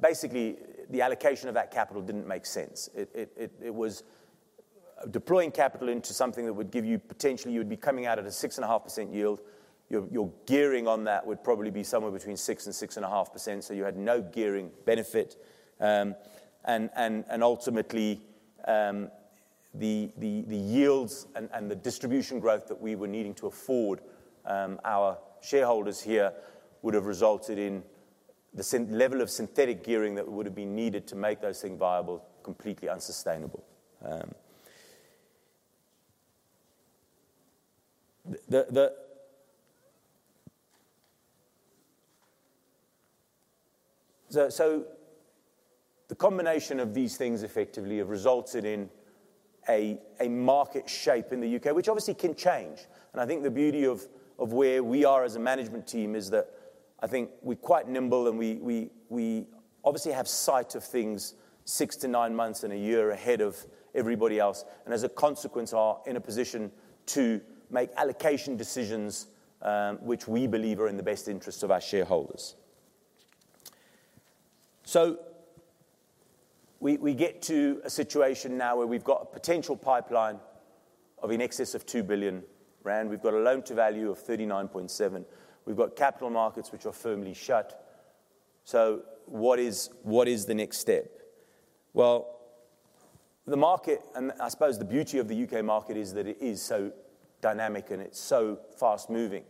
Basically, the allocation of that capital didn't make sense. It was deploying capital into something that would give you potentially you would be coming out at a 6.5% yield. Your gearing on that would probably be somewhere between 6%-6.5%, so you had no gearing benefit. And ultimately, the yields and the distribution growth that we were needing to afford our shareholders here would have resulted in the level of synthetic gearing that would have been needed to make those things viable, completely unsustainable. The combination of these things effectively have resulted in a market shape in the U.K., which obviously can change. I think the beauty of where we are as a management team is that I think we're quite nimble, and we obviously have sight of things 6-9 months and a year ahead of everybody else. As a consequence, we are in a position to make allocation decisions, which we believe are in the best interest of our shareholders. We get to a situation now where we've got a potential pipeline of in excess of 2 billion rand. We've got a loan to value of 39.7%. We've got capital markets which are firmly shut. What is the next step? Well, the market, and I suppose the beauty of the U.K. market is that it is so dynamic, and it's so fast-moving.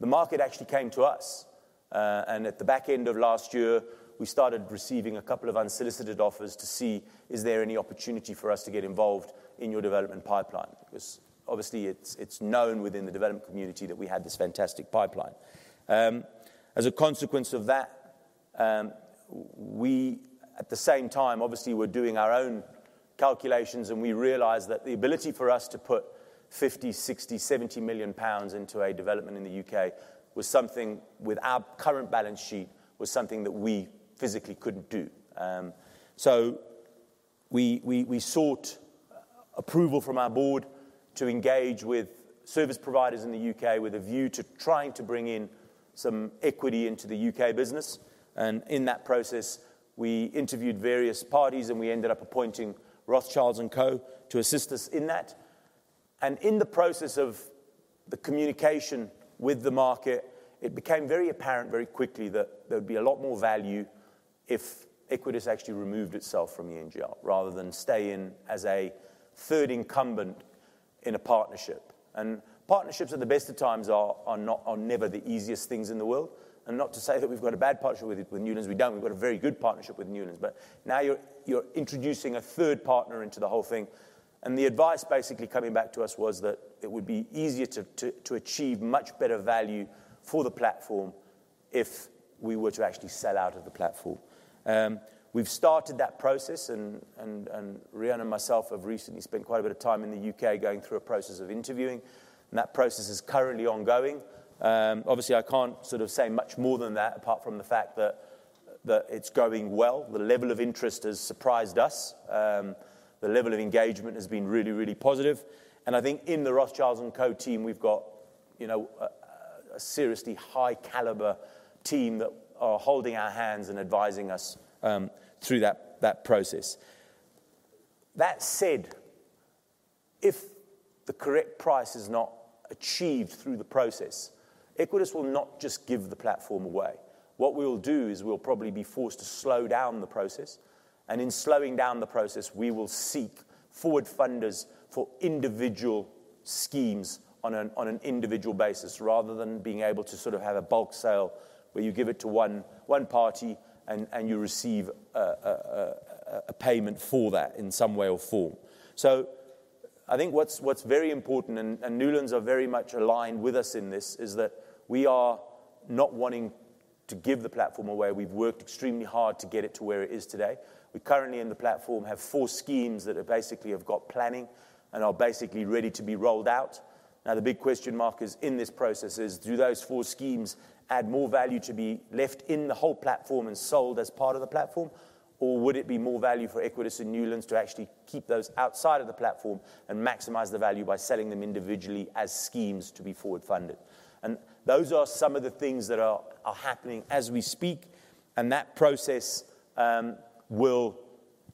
The market actually came to us, and at the back end of last year, we started receiving a couple of unsolicited offers to see is there any opportunity for us to get involved in your development pipeline. 'Cause obviously it's known within the development community that we had this fantastic pipeline. As a consequence of that, we at the same time, obviously were doing our own calculations, and we realized that the ability for us to put 50 million, 60 million, 70 million pounds into a development in the U.K. was something with our current balance sheet, was something that we physically couldn't do. We sought approval from our board to engage with service providers in the U.K. with a view to trying to bring in some equity into the U.K. business. In that process, we interviewed various parties, and we ended up appointing Rothschild & Co to assist us in that. In the process of the communication with the market, it became very apparent very quickly that there'd be a lot more value if Equites actually removed itself from the NGL rather than stay in as a third incumbent in a partnership. Partnerships at the best of times are never the easiest things in the world. Not to say that we've got a bad partnership with Newlands. We don't. We've got a very good partnership with Newlands. Now you're introducing a third partner into the whole thing, and the advice basically coming back to us was that it would be easier to achieve much better value for the platform if we were to actually sell out of the platform. We've started that process and Riaan and myself have recently spent quite a bit of time in the U.K. going through a process of interviewing, and that process is currently ongoing. Obviously, I can't sort of say much more than that apart from the fact that it's going well. The level of interest has surprised us. The level of engagement has been really positive. I think in the Rothschild & Co team, we've got, you know, a seriously high caliber team that are holding our hands and advising us through that process. That said, if the correct price is not achieved through the process, Equites will not just give the platform away. What we'll do is we'll probably be forced to slow down the process. In slowing down the process, we will seek forward funders for individual schemes on an individual basis, rather than being able to sort of have a bulk sale where you give it to one party and you receive a payment for that in some way or form. I think what's very important and Newlands are very much aligned with us in this, is that we are not wanting to give the platform away. We've worked extremely hard to get it to where it is today. We currently in the platform have four schemes that are basically have got planning and are basically ready to be rolled out. Now, the big question mark in this process is, do those four schemes add more value to be left in the whole platform and sold as part of the platform? Or would it be more value for Equites and Newlands to actually keep those outside of the platform and maximize the value by selling them individually as schemes to be forward-funded? Those are some of the things that are happening as we speak, and that process will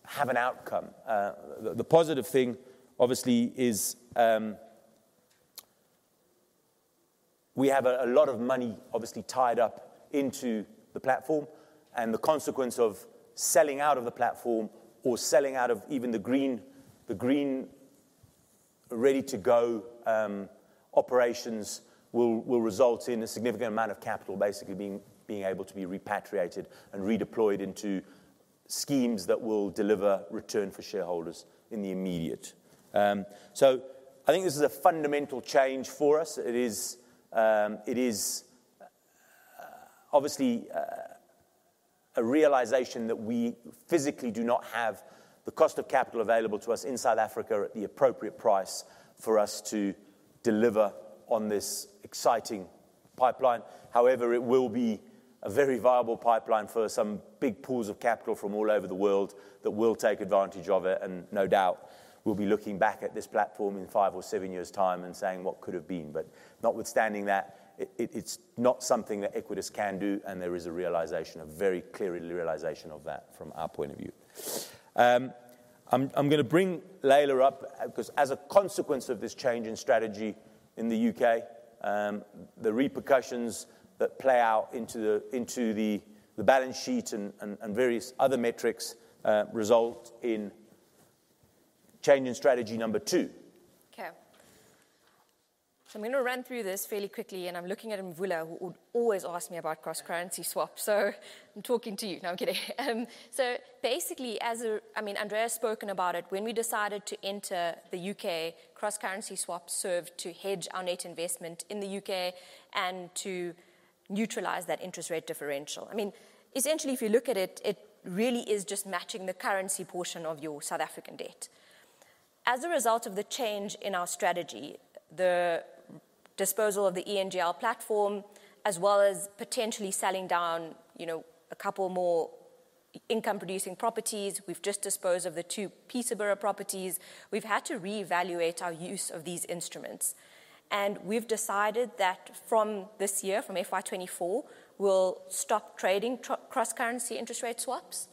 have an outcome. The positive thing obviously is we have a lot of money obviously tied up into the platform. The consequence of selling out of the platform or selling out of even the green ready-to-go operations will result in a significant amount of capital basically being able to be repatriated and redeployed into schemes that will deliver return for shareholders in the immediate. I think this is a fundamental change for us. It is obviously a realization that we physically do not have the cost of capital available to us in South Africa at the appropriate price for us to deliver on this exciting pipeline. However, it will be a very viable pipeline for some big pools of capital from all over the world that will take advantage of it, and no doubt we'll be looking back at this platform in five or seven years' time and saying what could have been. Notwithstanding that, it's not something that Equites can do and there is a realization, a very clear realization of that from our point of view. I'm gonna bring Laila up, 'cause as a consequence of this change in strategy in the U.K., the repercussions that play out into the balance sheet and various other metrics result in change in strategy number two. Okay. I'm gonna run through this fairly quickly, and I'm looking at Mvula, who would always ask me about cross-currency swaps. I'm talking to you. No, I'm kidding. Basically, I mean, Andrea has spoken about it. When we decided to enter the U.K., cross-currency swaps served to hedge our net investment in the U.K. and to neutralize that interest rate differential. I mean, essentially, if you look at it really is just matching the currency portion of your South African debt. As a result of the change in our strategy, the disposal of the ENGL platform, as well as potentially selling down, you know, a couple more income-producing properties. We've just disposed of the two Piesang property. We've had to reevaluate our use of these instruments, and we've decided that from this year, from FY 2024, we'll stop trading cross-currency interest rate swaps.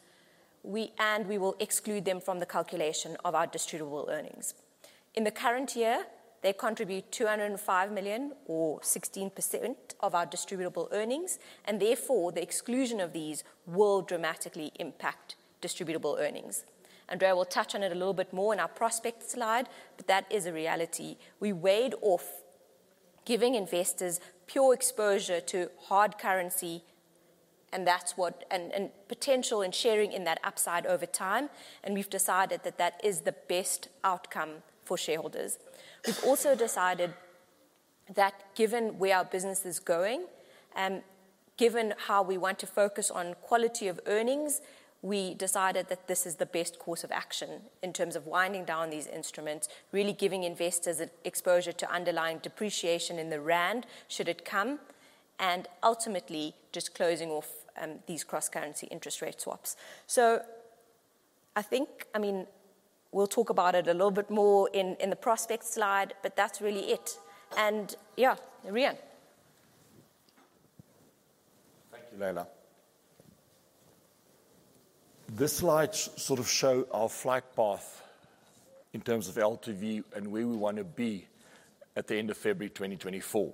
We will exclude them from the calculation of our distributable earnings. In the current year, they contribute 205 million or 16% of our distributable earnings, and therefore, the exclusion of these will dramatically impact distributable earnings. Andrea will touch on it a little bit more in our prospect slide, but that is a reality. We weighed off giving investors pure exposure to hard currency and potential in sharing in that upside over time, and we've decided that that is the best outcome for shareholders. We've also decided that given where our business is going, given how we want to focus on quality of earnings, we decided that this is the best course of action in terms of winding down these instruments, really giving investors direct exposure to underlying depreciation in the rand should it come, and ultimately just closing off these cross-currency interest rate swaps. I think, I mean, we'll talk about it a little bit more in the presentation slide, but that's really it. Yeah, Riaan. Thank you, Laila. This slide sort of shows our flight path in terms of LTV and where we wanna be at the end of February 2024.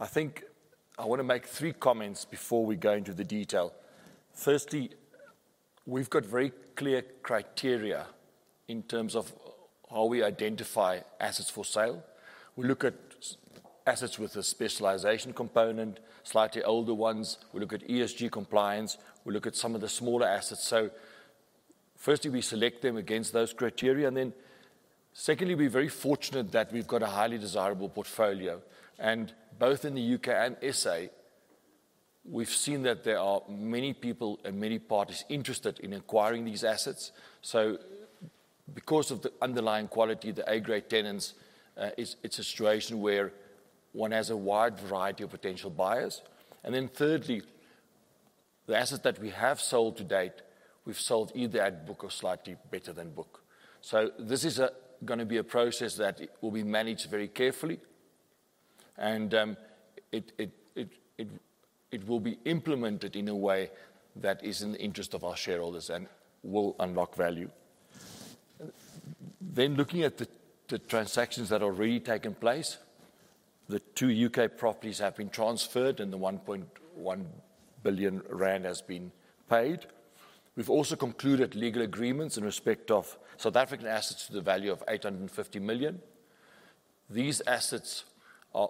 I think I wanna make three comments before we go into the detail. Firstly, we've got very clear criteria in terms of how we identify assets for sale. We look at assets with a specialization component, slightly older ones. We look at ESG compliance. We look at some of the smaller assets. Firstly, we select them against those criteria, and then secondly, we're very fortunate that we've got a highly desirable portfolio. Both in the U.K. and SA, we've seen that there are many people and many parties interested in acquiring these assets. Because of the underlying quality of the A-grade tenants, it's a situation where one has a wide variety of potential buyers. Thirdly, the assets that we have sold to date, we've sold either at book or slightly better than book. This is gonna be a process that will be managed very carefully, and it will be implemented in a way that is in the interest of our shareholders and will unlock value. Looking at the transactions that have already taken place. The two U.K. properties have been transferred, and the 1.1 billion rand has been paid. We've also concluded legal agreements in respect of South African assets to the value of 850 million. These assets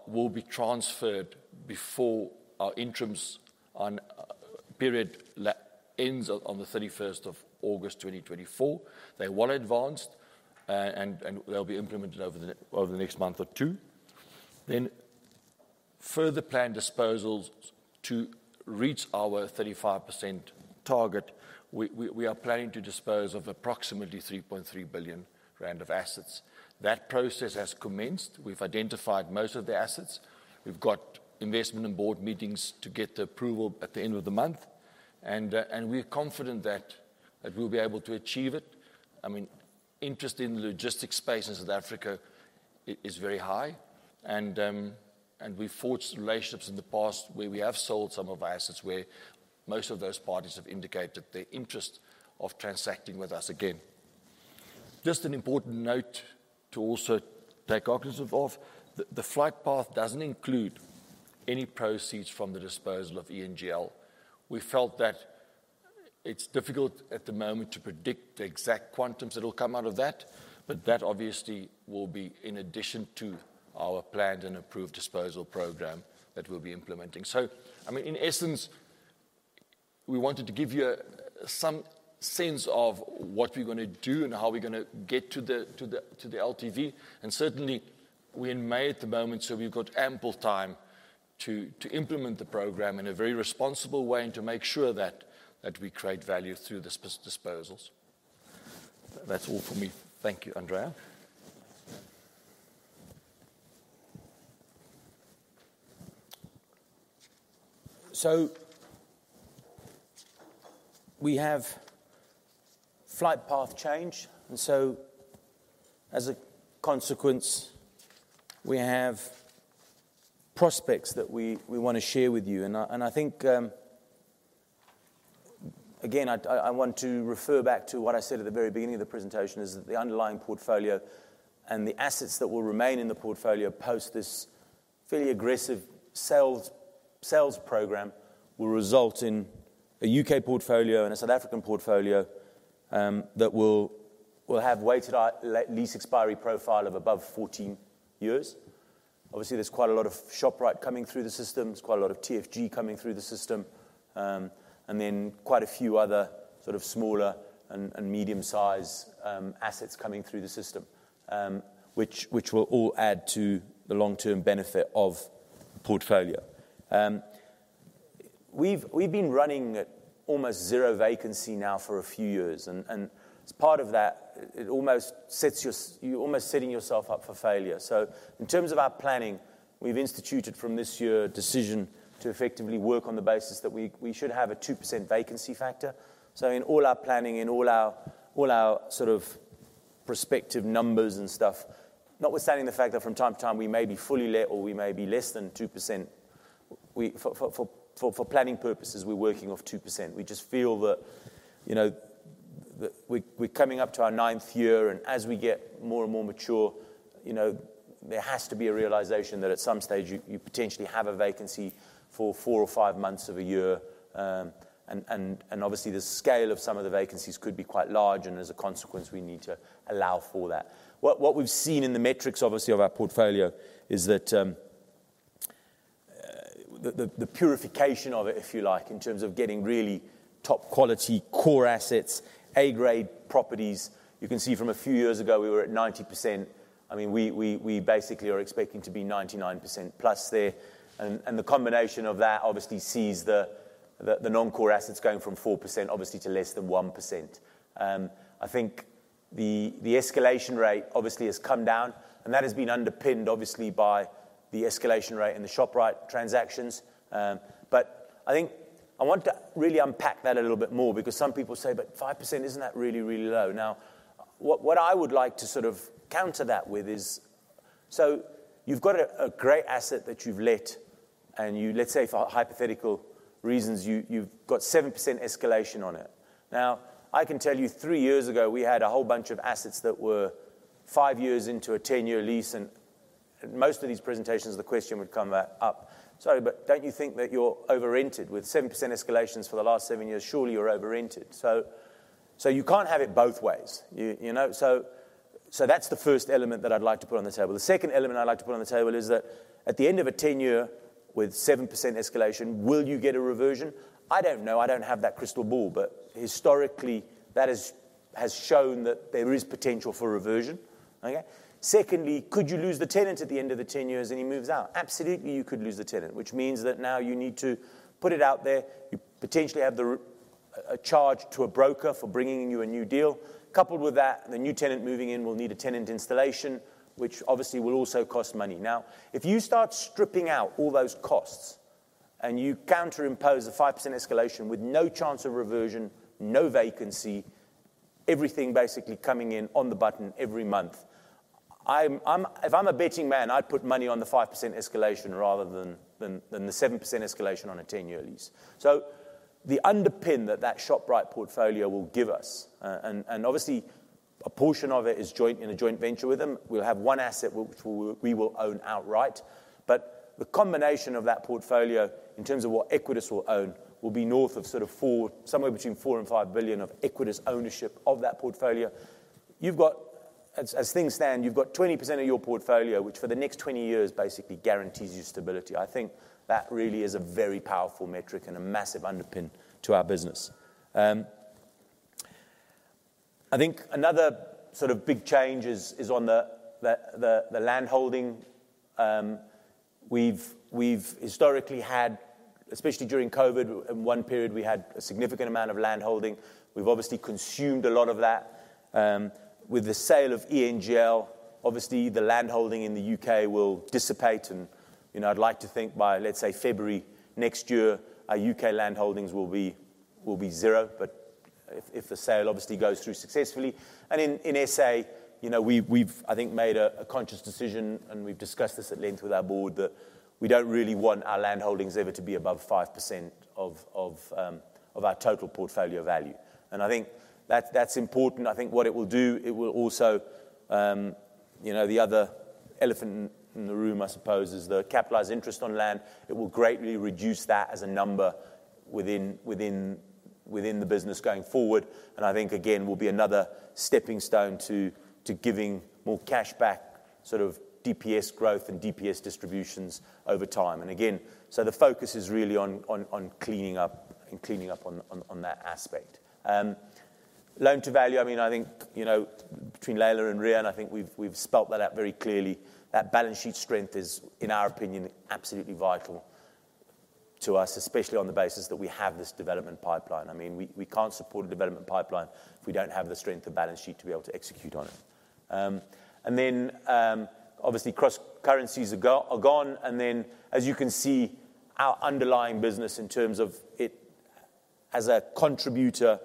will be transferred before our interims on period ends on the 31st of August 2024. They're well advanced, and they'll be implemented over the next month or two. Further planned disposals to reach our 35% target. We are planning to dispose of approximately 3.3 billion rand of assets. That process has commenced. We've identified most of the assets. We've got investment and board meetings to get the approval at the end of the month, and we're confident that we'll be able to achieve it. I mean, interest in the logistics space in South Africa is very high, and we've forged relationships in the past where we have sold some of our assets where most of those parties have indicated their interest of transacting with us again. Just an important note to also take cognizance of, the flight path doesn't include any proceeds from the disposal of ENGL. We felt that it's difficult at the moment to predict the exact quantums that'll come out of that, but that obviously will be in addition to our planned and approved disposal program that we'll be implementing. I mean, in essence, we wanted to give you some sense of what we're gonna do and how we're gonna get to the LTV. Certainly, we're in May at the moment, so we've got ample time to implement the program in a very responsible way and to make sure that we create value through disposals. That's all from me. Thank you. Andrea. We have flight path change, and as a consequence, we have prospects that we wanna share with you. I think, again, I want to refer back to what I said at the very beginning of the presentation is that the underlying portfolio and the assets that will remain in the portfolio post this fairly aggressive sales program will result in a U.K. portfolio and a South African portfolio, that will have weighted average lease expiry profile of above 14 years. Obviously, there's quite a lot of Shoprite coming through the system, there's quite a lot of TFG coming through the system, and then quite a few other sort of smaller and medium-sized assets coming through the system, which will all add to the long-term benefit of the portfolio. We've been running at almost zero vacancy now for a few years, and as part of that, you're almost setting yourself up for failure. In terms of our planning, we've instituted from this year a decision to effectively work on the basis that we should have a 2% vacancy factor. In all our planning, all our sort of prospective numbers and stuff, notwithstanding the fact that from time to time, we may be fully let or we may be less than 2%, we for planning purposes, we're working off 2%. We just feel that, you know, that we're coming up to our ninth year, and as we get more and more mature, you know, there has to be a realization that at some stage you potentially have a vacancy for four or five months of a year. Obviously, the scale of some of the vacancies could be quite large, and as a consequence, we need to allow for that. What we've seen in the metrics, obviously, of our portfolio is that the purification of it, if you like, in terms of getting really top-quality core assets, A-grade properties. You can see from a few years ago, we were at 90%. I mean, we basically are expecting to be 99% plus there. The combination of that obviously sees the non-core assets going from 4% obviously to less than 1%. I think the escalation rate obviously has come down, and that has been underpinned obviously by the escalation rate in the Shoprite transactions. I think I want to really unpack that a little bit more because some people say, "But 5%, isn't that really, really low?" Now, what I would like to sort of counter that with is, so you've got a great asset that you've let and you, let's say for hypothetical reasons, you've got 7% escalation on it. I can tell you three years ago, we had a whole bunch of assets that were five years into a 10-year lease, and most of these presentations, the question would come up, "Sorry, but don't you think that you're over-rented? With 7% escalations for the last seven years, surely you're over-rented." You can't have it both ways. You know? That's the first element that I'd like to put on the table. The second element I'd like to put on the table is that at the end of a 10-year with 7% escalation, will you get a reversion? I don't know. I don't have that crystal ball. Historically, that is, has shown that there is potential for reversion. Okay? Secondly, could you lose the tenant at the end of the 10 years and he moves out? Absolutely, you could lose the tenant, which means that now you need to put it out there. You potentially have a charge to a broker for bringing you a new deal. Coupled with that, the new tenant moving in will need a tenant installation, which obviously will also cost money. Now, if you start stripping out all those costs and you counter impose a 5% escalation with no chance of reversion, no vacancy, everything basically coming in on the button every month. If I'm a betting man, I'd put money on the 5% escalation rather than the 7% escalation on a 10-year lease. The underpin that that Shoprite portfolio will give us, and obviously a portion of it is joint, in a joint venture with them. We'll have one asset which we'll own outright. The combination of that portfolio in terms of what Equites will own will be north of sort of four, somewhere between 4 billion and 5 billion of Equites ownership of that portfolio. You've got, as things stand, 20% of your portfolio, which for the next 20 years basically guarantees you stability. I think that really is a very powerful metric and a massive underpin to our business. I think another sort of big change is on the land holding. We've historically had, especially during COVID, in one period, a significant amount of land holding. We've obviously consumed a lot of that. With the sale of ENGL, obviously, the land holding in the U.K. will dissipate and, you know, I'd like to think by, let's say, February next year, our U.K. land holdings will be zero. If the sale obviously goes through successfully. In SA, you know, we've I think made a conscious decision, and we've discussed this at length with our board, that we don't really want our land holdings ever to be above 5% of our total portfolio value. I think that's important. I think what it will do, it will also, you know, the other elephant in the room, I suppose, is the capitalized interest on land. It will greatly reduce that as a number within the business going forward, and I think, again, will be another stepping stone to giving more cash back, sort of DPS growth and DPS distributions over time. The focus is really on cleaning up on that aspect. Loan to value, I mean, I think, you know, between Laila and Riaan, I think we've spelled that out very clearly. That balance sheet strength is, in our opinion, absolutely vital to us, especially on the basis that we have this development pipeline. I mean, we can't support a development pipeline if we don't have the strength of balance sheet to be able to execute on it. Obviously cross currencies are gone, and as you can see, our underlying business in terms of it as a contributor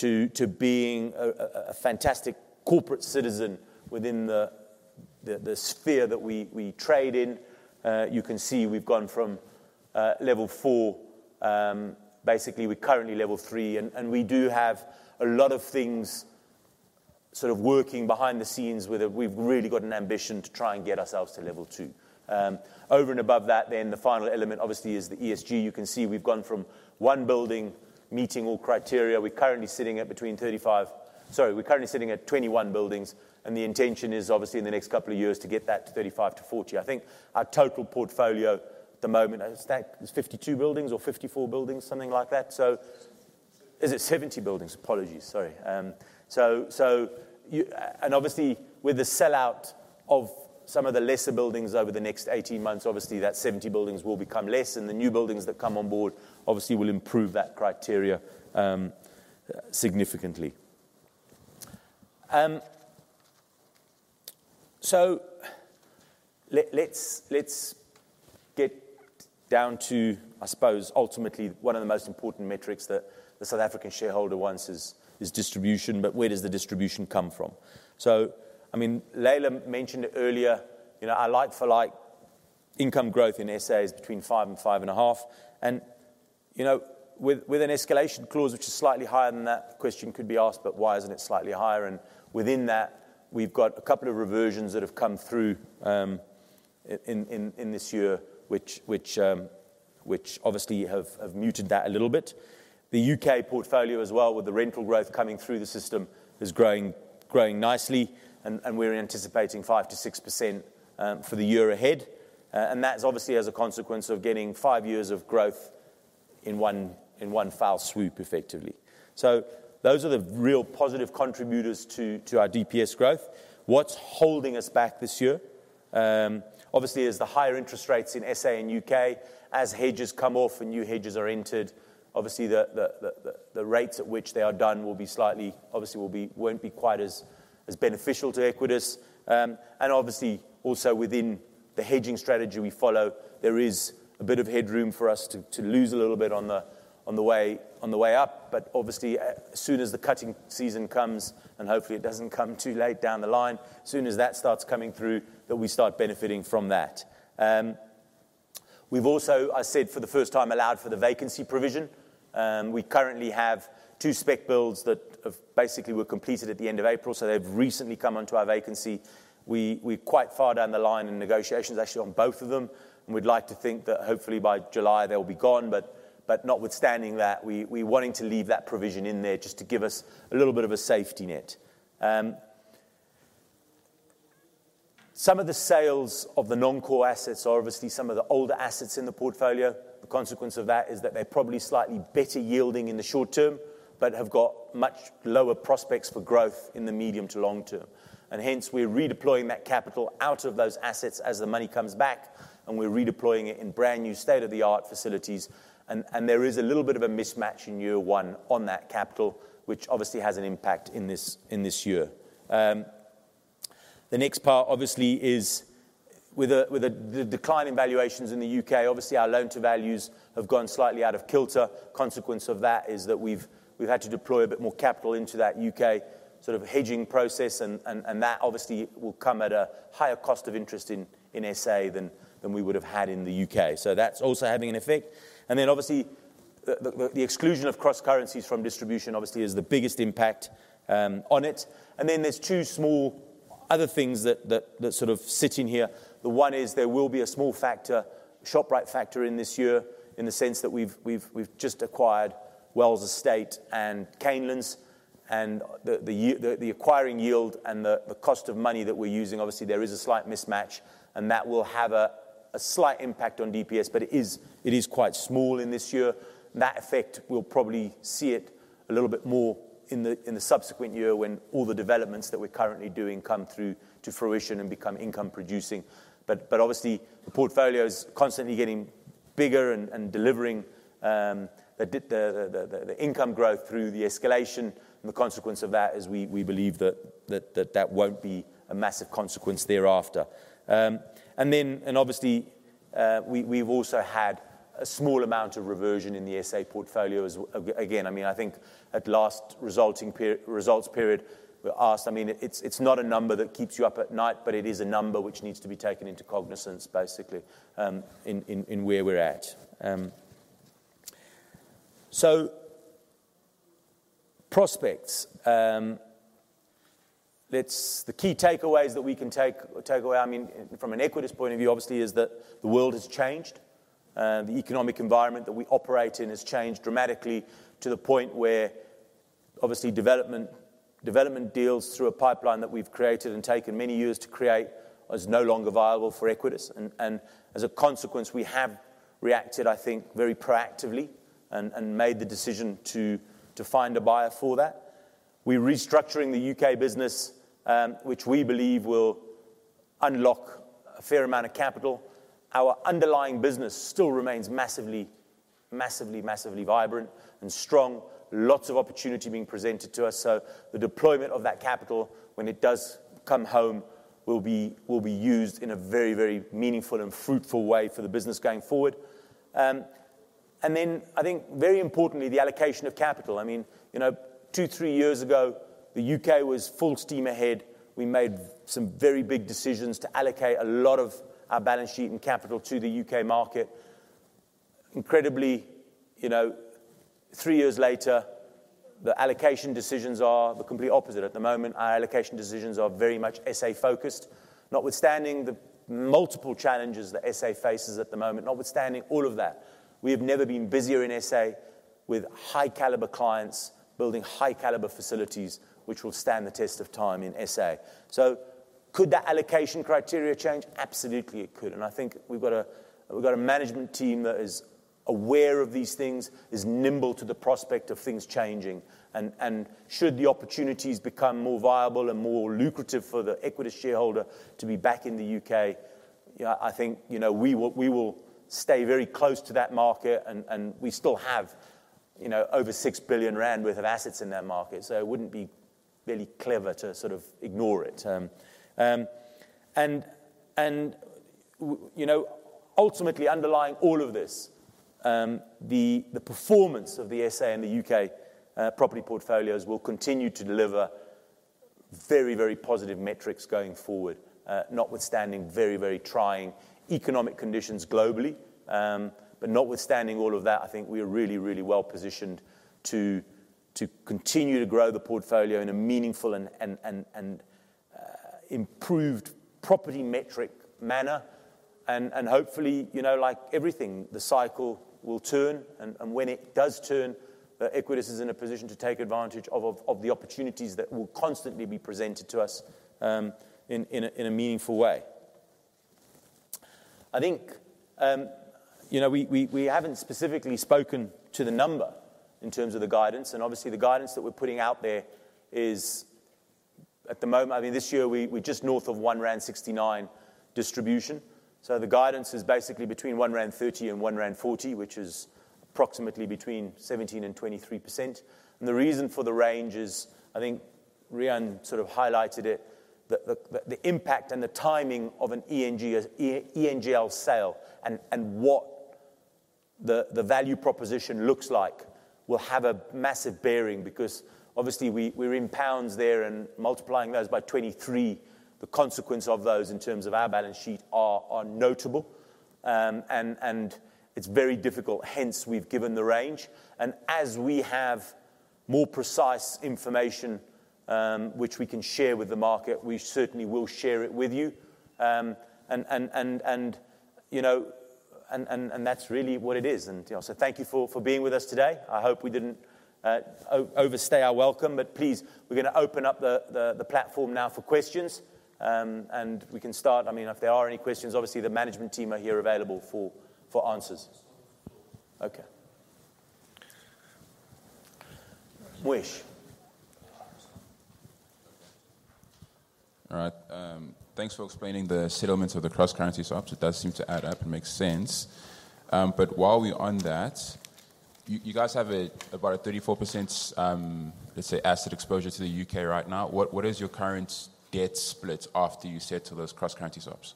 to being a fantastic corporate citizen within the sphere that we trade in. You can see we've gone from level 4, basically we're currently level 3 and we do have a lot of things sort of working behind the scenes where we've really got an ambition to try and get ourselves to level 2. Over and above that, the final element obviously is the ESG. You can see we've gone from one building meeting all criteria. We're currently sitting at 21 buildings, and the intention is obviously in the next couple of years to get that to 35-40. I think our total portfolio at the moment, I think it's 52 buildings or 54 buildings, something like that. Is it 70 buildings? Apologies. Sorry. Obviously with the sell-out of some of the lesser buildings over the next 18 months, obviously that 70 buildings will become less, and the new buildings that come on board obviously will improve that criteria significantly. Let's get down to, I suppose, ultimately one of the most important metrics that the South African shareholder wants is distribution, but where does the distribution come from? I mean, Leila mentioned it earlier, you know, our like-for-like income growth in SA is between 5% and 5.5%, and, you know, with an escalation clause which is slightly higher than that, the question could be asked, "But why isn't it slightly higher?" Within that, we've got a couple of reversions that have come through in this year which obviously have muted that a little bit. The U.K. portfolio as well with the rental growth coming through the system is growing nicely and we're anticipating 5%-6% for the year ahead. That's obviously as a consequence of getting five years of growth in one fell swoop, effectively. Those are the real positive contributors to our DPS growth. What's holding us back this year, obviously is the higher interest rates in SA and U.K. As hedges come off and new hedges are entered, obviously the rates at which they are done won't be quite as beneficial to Equites. Obviously also within the hedging strategy we follow, there is a bit of headroom for us to lose a little bit on the way up. Obviously, as soon as the cutting season comes, and hopefully it doesn't come too late down the line, as soon as that starts coming through, that we start benefiting from that. We've also, as I said, for the first time, allowed for the vacancy provision. We currently have two spec builds that basically were completed at the end of April, so they've recently come onto our vacancy. We're quite far down the line in negotiations actually on both of them, and we'd like to think that hopefully by July they'll be gone. But notwithstanding that, we're wanting to leave that provision in there just to give us a little bit of a safety net. Some of the sales of the non-core assets are obviously some of the older assets in the portfolio. The consequence of that is that they're probably slightly better yielding in the short term, but have got much lower prospects for growth in the medium to long term. Hence, we're redeploying that capital out of those assets as the money comes back, and we're redeploying it in brand-new state-of-the-art facilities. There is a little bit of a mismatch in year one on that capital, which obviously has an impact in this year. The next part obviously is with the decline in valuations in the U.K., obviously our loan-to-values have gone slightly out of kilter. Consequence of that is that we've had to deploy a bit more capital into that U.K. sort of hedging process and that obviously will come at a higher cost of interest in SA than we would have had in the U.K. That's also having an effect. Obviously the exclusion of cross-currencies from distribution obviously is the biggest impact on it. There's two small other things that sort of sit in here. The one is there will be a small factor, Shoprite factor in this year in the sense that we've just acquired Wells Estate and Canelands, and the acquiring yield and the cost of money that we're using, obviously there is a slight mismatch, and that will have a slight impact on DPS, but it is quite small in this year. That effect, we'll probably see it a little bit more in the subsequent year when all the developments that we're currently doing come through to fruition and become income producing. Obviously the portfolio is constantly getting bigger and delivering the income growth through the escalation, and the consequence of that is we believe that that won't be a massive consequence thereafter. We've also had a small amount of reversion in the SA portfolio and again. I mean, I think at last results period, we were asked, I mean, it's not a number that keeps you up at night, but it is a number which needs to be taken into cognizance basically in where we're at. Prospects. The key takeaways that we can take away, I mean from an Equites point of view obviously, is that the world has changed. The economic environment that we operate in has changed dramatically to the point where obviously development deals through a pipeline that we've created and taken many years to create is no longer viable for Equites. As a consequence, we have reacted, I think, very proactively and made the decision to find a buyer for that. We're restructuring the U.K. business, which we believe will unlock a fair amount of capital. Our underlying business still remains massively vibrant and strong. Lots of opportunity being presented to us. The deployment of that capital when it does come home will be used in a very meaningful and fruitful way for the business going forward. Then I think very importantly, the allocation of capital. I mean, you know, two, three years ago, the U.K. was full steam ahead. We made some very big decisions to allocate a lot of our balance sheet and capital to the U.K. market. Incredibly, you know, three years later, the allocation decisions are the complete opposite. At the moment, our allocation decisions are very much SA-focused, notwithstanding the multiple challenges that SA faces at the moment. Notwithstanding all of that, we have never been busier in SA with high-caliber clients building high-caliber facilities which will stand the test of time in SA. Could that allocation criteria change? Absolutely, it could. I think we've got a management team that is aware of these things, is nimble to the prospect of things changing. Should the opportunities become more viable and more lucrative for the Equites shareholder to be back in the U.K., you know, I think, you know, we will stay very close to that market and we still have, you know, over 6 billion rand worth of assets in that market. It wouldn't be really clever to sort of ignore it. You know, ultimately underlying all of this, the performance of the SA and the U.K. property portfolios will continue to deliver very positive metrics going forward, notwithstanding very trying economic conditions globally. Notwithstanding all of that, I think we are really well positioned to continue to grow the portfolio in a meaningful and improved property metric manner. Hopefully, you know, like everything, the cycle will turn, and when it does turn, Equites is in a position to take advantage of the opportunities that will constantly be presented to us, in a meaningful way. I think, you know, we haven't specifically spoken to the number in terms of the guidance, and obviously the guidance that we're putting out there is at the moment. I mean, this year we're just north of 1.69 rand distribution. The guidance is basically between 1.30 rand and 1.40 rand, which is approximately between 17% and 23%. The reason for the range is, I think Riaan sort of highlighted it, the impact and the timing of an ENGL sale and what the value proposition looks like will have a massive bearing because obviously we're in pounds there and multiplying those by 23, the consequence of those in terms of our balance sheet are notable. It's very difficult, hence we've given the range. As we have more precise information, which we can share with the market, we certainly will share it with you. You know, that's really what it is. You know, thank you for being with us today. I hope we didn't overstay our welcome. Please, we're gonna open up the platform now for questions, and we can start. I mean, if there are any questions, obviously the management team are here available for answers. Okay. Moesh. All right. Thanks for explaining the settlements of the cross-currency swaps. It does seem to add up and make sense. While we're on that, you guys have about a 34%, let's say, asset exposure to the U.K. right now. What is your current debt split after you settle those cross-currency swaps?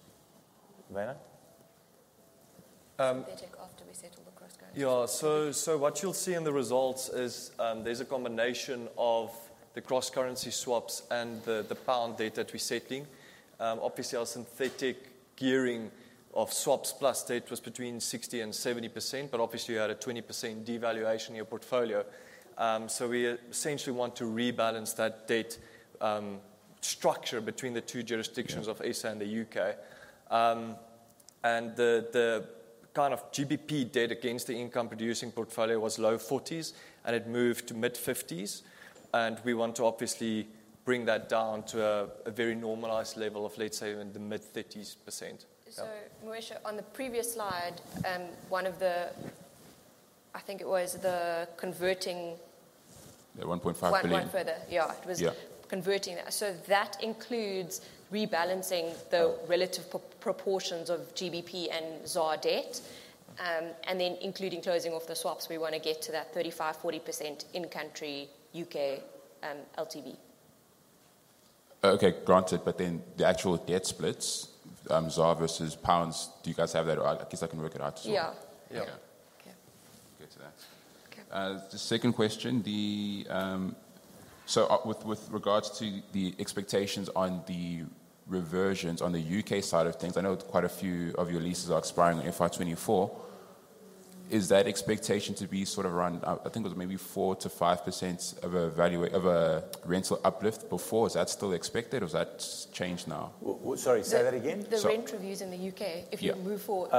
Leila? The debt after we settle the cross-currency. Yeah, what you'll see in the results is, there's a combination of the cross-currency swaps and the pound debt that we're settling. Obviously, our synthetic gearing of swaps plus debt was between 60% and 70%, but obviously you had a 20% devaluation in your portfolio. We essentially want to rebalance that debt structure between the two jurisdictions of SA and the U.K. The kind of GBP debt against the income producing portfolio was low 40s, and it moved to mid-50s, and we want to obviously bring that down to a very normalized level of, let's say, in the mid-30s%. Moesh, on the previous slide, one of the, I think it was the converting. The 1.5 billion. One further. Yeah. Yeah. It was converting that. That includes rebalancing the relative proportions of GBP and ZAR debt, and then including closing off the swaps, we wanna get to that 35%-40% in-country U.K. LTV. Okay. Granted, the actual debt splits, ZAR versus pounds, do you guys have that, or I guess I can work it out as well. Yeah. Yeah. Yeah. Okay. Get to that. Okay. The second question with regards to the expectations on the reversions on the U.K. side of things, I know quite a few of your leases are expiring in FY 2024. Is that expectation to be sort of around, I think it was maybe 4%-5% of a rental uplift before? Is that still expected, or has that changed now? Well, sorry, say that again. The rent reviews in the U.K. Yeah. If you move forward,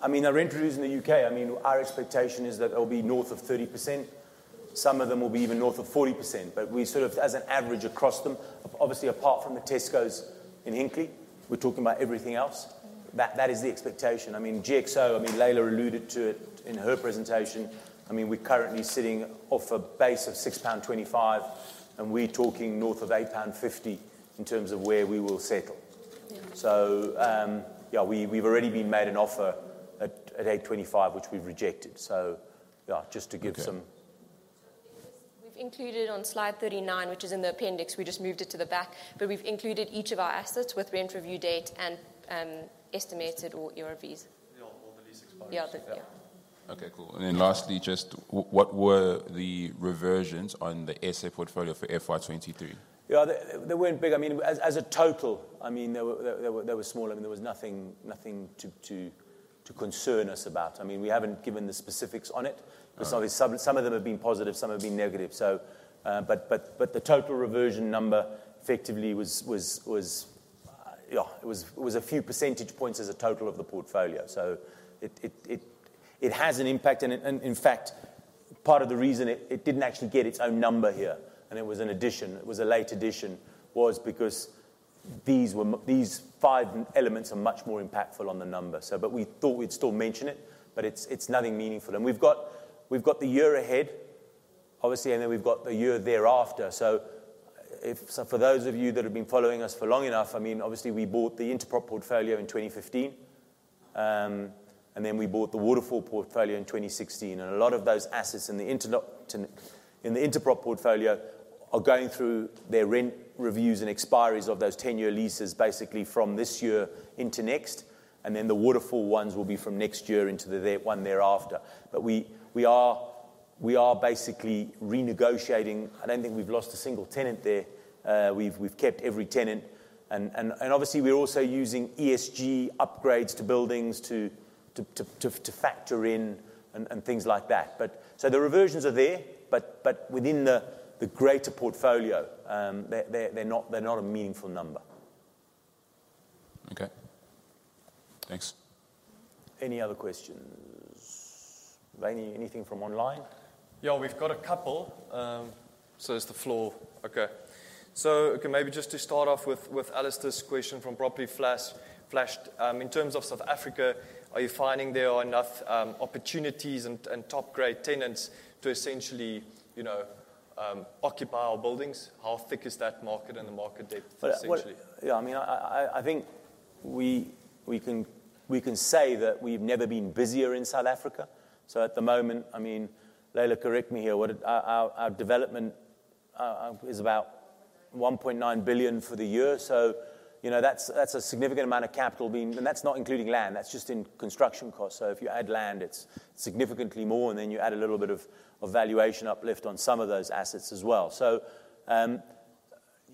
I mean, the rent reviews in the U.K., I mean, our expectation is that it'll be north of 30%. Some of them will be even north of 40%. We sort of, as an average across them, obviously, apart from the Tesco's in Hinckley, we're talking about everything else. That is the expectation. I mean, GXO, I mean, Leila alluded to it in her presentation. I mean, we're currently sitting off a base of 6.25 pound, and we're talking north of 8.50 pound in terms of where we will settle. Yeah, we've already been made an offer at 8.25, which we've rejected. Yeah, just to give some- We've included on slide 39, which is in the appendix, we just moved it to the back, but we've included each of our assets with rent review date and estimated or ERVs. Yeah, or the lease expiry. Yeah. Yeah. Okay, cool. Lastly, just what were the reversions on the SA portfolio for FY 2023? Yeah, they weren't big. I mean, as a total, I mean, they were small. I mean, there was nothing to concern us about. I mean, we haven't given the specifics on it. Because obviously some of them have been positive, some have been negative. But the total reversion number effectively was a few percentage points as a total of the portfolio. It has an impact. In fact, part of the reason it didn't actually get its own number here, and it was an addition, it was a late addition, was because these five elements are much more impactful on the number. But we thought we'd still mention it, but it's nothing meaningful. We've got the year ahead, obviously, and then we've got the year thereafter. For those of you that have been following us for long enough, I mean, obviously, we bought the Intaprop portfolio in 2015. Then we bought the Waterfall portfolio in 2016, and a lot of those assets in the Intaprop portfolio are going through their rent reviews and expiries of those ten-year leases basically from this year into next, and then the Waterfall ones will be from next year into the year thereafter. We are basically renegotiating. I don't think we've lost a single tenant there. We've kept every tenant and obviously we're also using ESG upgrades to buildings to factor in and things like that. The reversions are there, but within the greater portfolio, they're not a meaningful number. Okay. Thanks. Any other questions? Anything from online? We've got a couple, so is the floor okay. Okay, maybe just to start off with Alistair's question from Property Flash, in terms of South Africa, are you finding there are enough opportunities and top grade tenants to essentially, you know, occupy our buildings? How thick is that market and the market depth essentially? Well, yeah, I mean, I think we can say that we've never been busier in South Africa. At the moment, I mean, Laila, correct me here. Our development is about 1.9 billion for the year. You know, that's a significant amount of capital being. That's not including land. That's just in construction costs. If you add land, it's significantly more, and then you add a little bit of valuation uplift on some of those assets as well.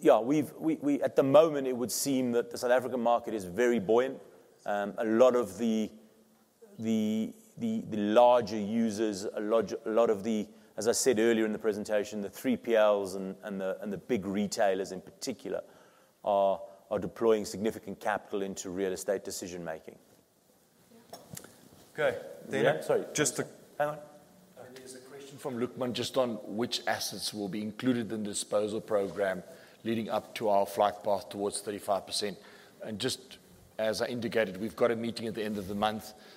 Yeah. At the moment it would seem that the South African market is very buoyant. A lot of the larger users, as I said earlier in the presentation, the 3PLs and the big retailers in particular are deploying significant capital into real estate decision-making. Okay. Yeah. Sorry. Hang on. There's a question from Lukman just on which assets will be included in the disposal program leading up to our flight path towards 35%. Just as I indicated, we've got a meeting at the end of the month that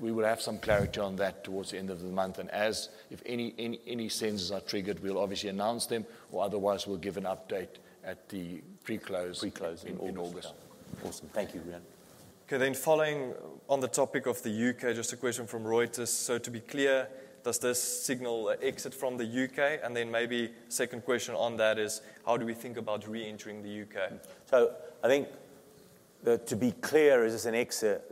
we will have some clarity on that towards the end of the month. If any sales are triggered, we'll obviously announce them, or otherwise we'll give an update at the pre-close. Pre-close in August. in August. Awesome. Thank you, Riaan. Okay, following on the topic of the U.K., just a question from Reuters. To be clear, does this signal an exit from the U.K.? Maybe the second question on that is how do we think about reentering the U.K.? To be clear, is this an exit?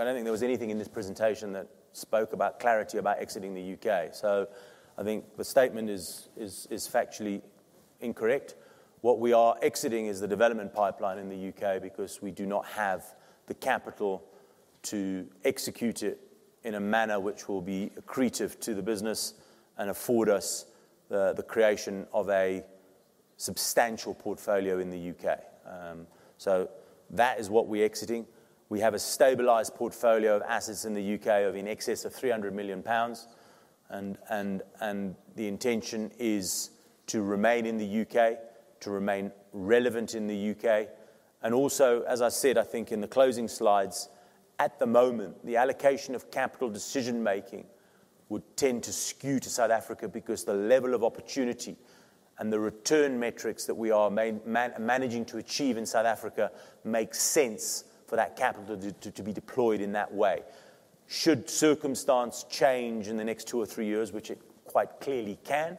I don't think there was anything in this presentation that spoke about clarity about exiting the U.K. I think the statement is factually incorrect. What we are exiting is the development pipeline in the U.K. because we do not have the capital to execute it in a manner which will be accretive to the business and afford us the creation of a substantial portfolio in the U.K. That is what we're exiting. We have a stabilized portfolio of assets in the U.K. of in excess of 300 million pounds. The intention is to remain in the U.K., to remain relevant in the U.K. Also, as I said, I think in the closing slides, at the moment, the allocation of capital decision-making would tend to skew to South Africa because the level of opportunity and the return metrics that we are managing to achieve in South Africa make sense for that capital to be deployed in that way. Should circumstance change in the next two or three years, which it quite clearly can,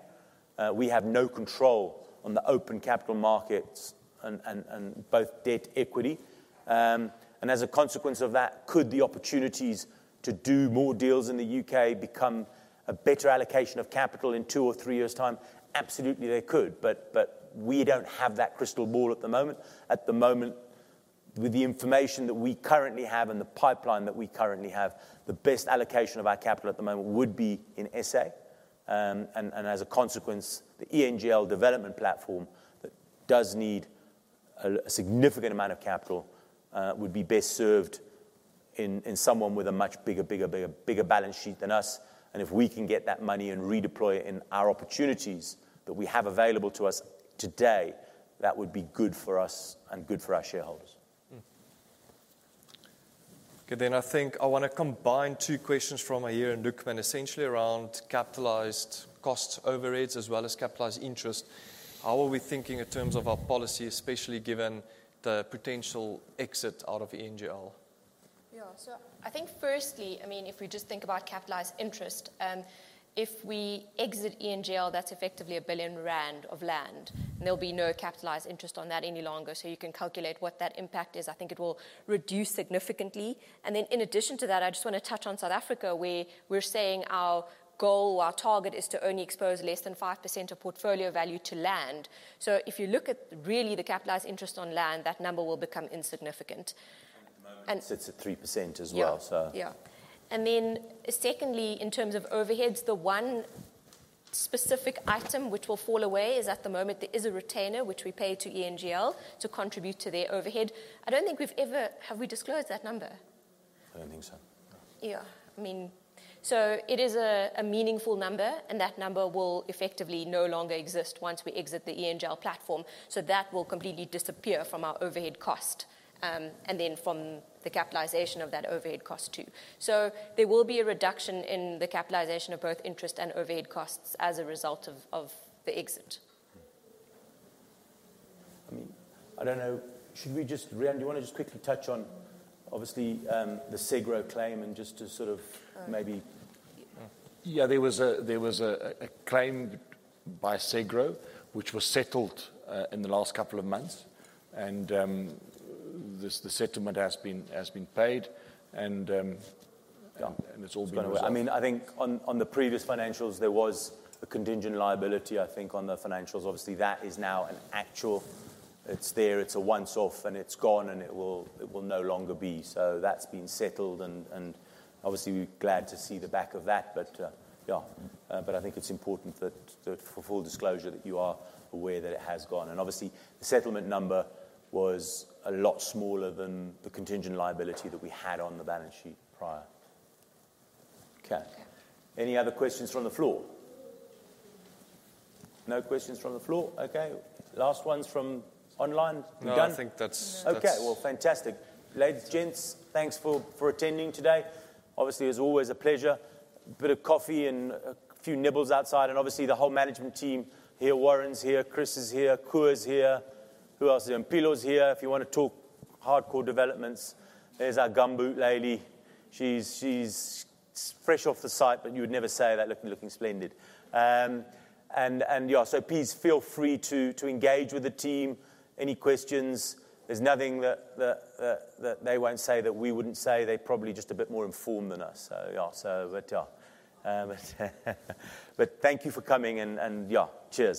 we have no control on the open capital markets and both debt and equity. And as a consequence of that, could the opportunities to do more deals in the U.K. become a better allocation of capital in two or three years' time? Absolutely, they could. But we don't have that crystal ball at the moment. At the moment, with the information that we currently have and the pipeline that we currently have, the best allocation of our capital at the moment would be in SA. As a consequence, the ENGL development platform that does need a significant amount of capital would be best served in someone with a much bigger balance sheet than us. If we can get that money and redeploy it in our opportunities that we have available to us today, that would be good for us and good for our shareholders. Okay, I think I wanna combine two questions from Ahir and Lukman, essentially around capitalized cost overage as well as capitalized interest. How are we thinking in terms of our policy, especially given the potential exit out of ENGL? I think firstly, I mean, if we just think about capitalized interest, if we exit ENGL, that's effectively 1 billion rand of land. There'll be no capitalized interest on that any longer, so you can calculate what that impact is. I think it will reduce significantly. In addition to that, I just wanna touch on South Africa, where we're saying our goal, our target is to only expose less than 5% of portfolio value to land. If you look at really the capitalized interest on land, that number will become insignificant. I think at the moment it sits at 3% as well. Yeah. Secondly, in terms of overheads, the one specific item which will fall away is at the moment there is a retainer which we pay to ENGL to contribute to their overhead. I don't think we've ever disclosed that number. Have we? I don't think so, no. Yeah. I mean, it is a meaningful number, and that number will effectively no longer exist once we exit the ENGL platform. That will completely disappear from our overhead cost, and then from the capitalization of that overhead cost too. There will be a reduction in the capitalization of both interest and overhead costs as a result of the exit. I mean, I don't know, should we just Riaan, do you wanna just quickly touch on obviously, the SEGRO claim and just to sort of maybe Yeah. There was a claim by SEGRO which was settled in the last couple of months, and the settlement has been paid, and it's all been resolved. I mean, I think on the previous financials there was a contingent liability, I think, on the financials. Obviously, that is now an actual. It's there, it's a once-off, and it's gone, and it will no longer be. That's been settled and obviously we're glad to see the back of that. Yeah. I think it's important that for full disclosure that you are aware that it has gone. Obviously the settlement number was a lot smaller than the contingent liability that we had on the balance sheet prior. Okay. Yeah. Any other questions from the floor? No questions from the floor? Okay. Last ones from online. We done? No, I think that's. Okay. Well, fantastic. Ladies, gents, thanks for attending today. Obviously, it's always a pleasure. Bit of coffee and a few nibbles outside and obviously the whole management team here. Warren's here, Chris is here, Ku's here. Who else? Mpilo's here if you wanna talk hardcore developments. There's our gumboot lady. She's fresh off the site, but you would never say that looking splendid. And yeah, so please feel free to engage with the team. Any questions, there's nothing that they won't say that we wouldn't say. They're probably just a bit more informed than us. Yeah. But yeah. But thank you for coming and yeah, cheers.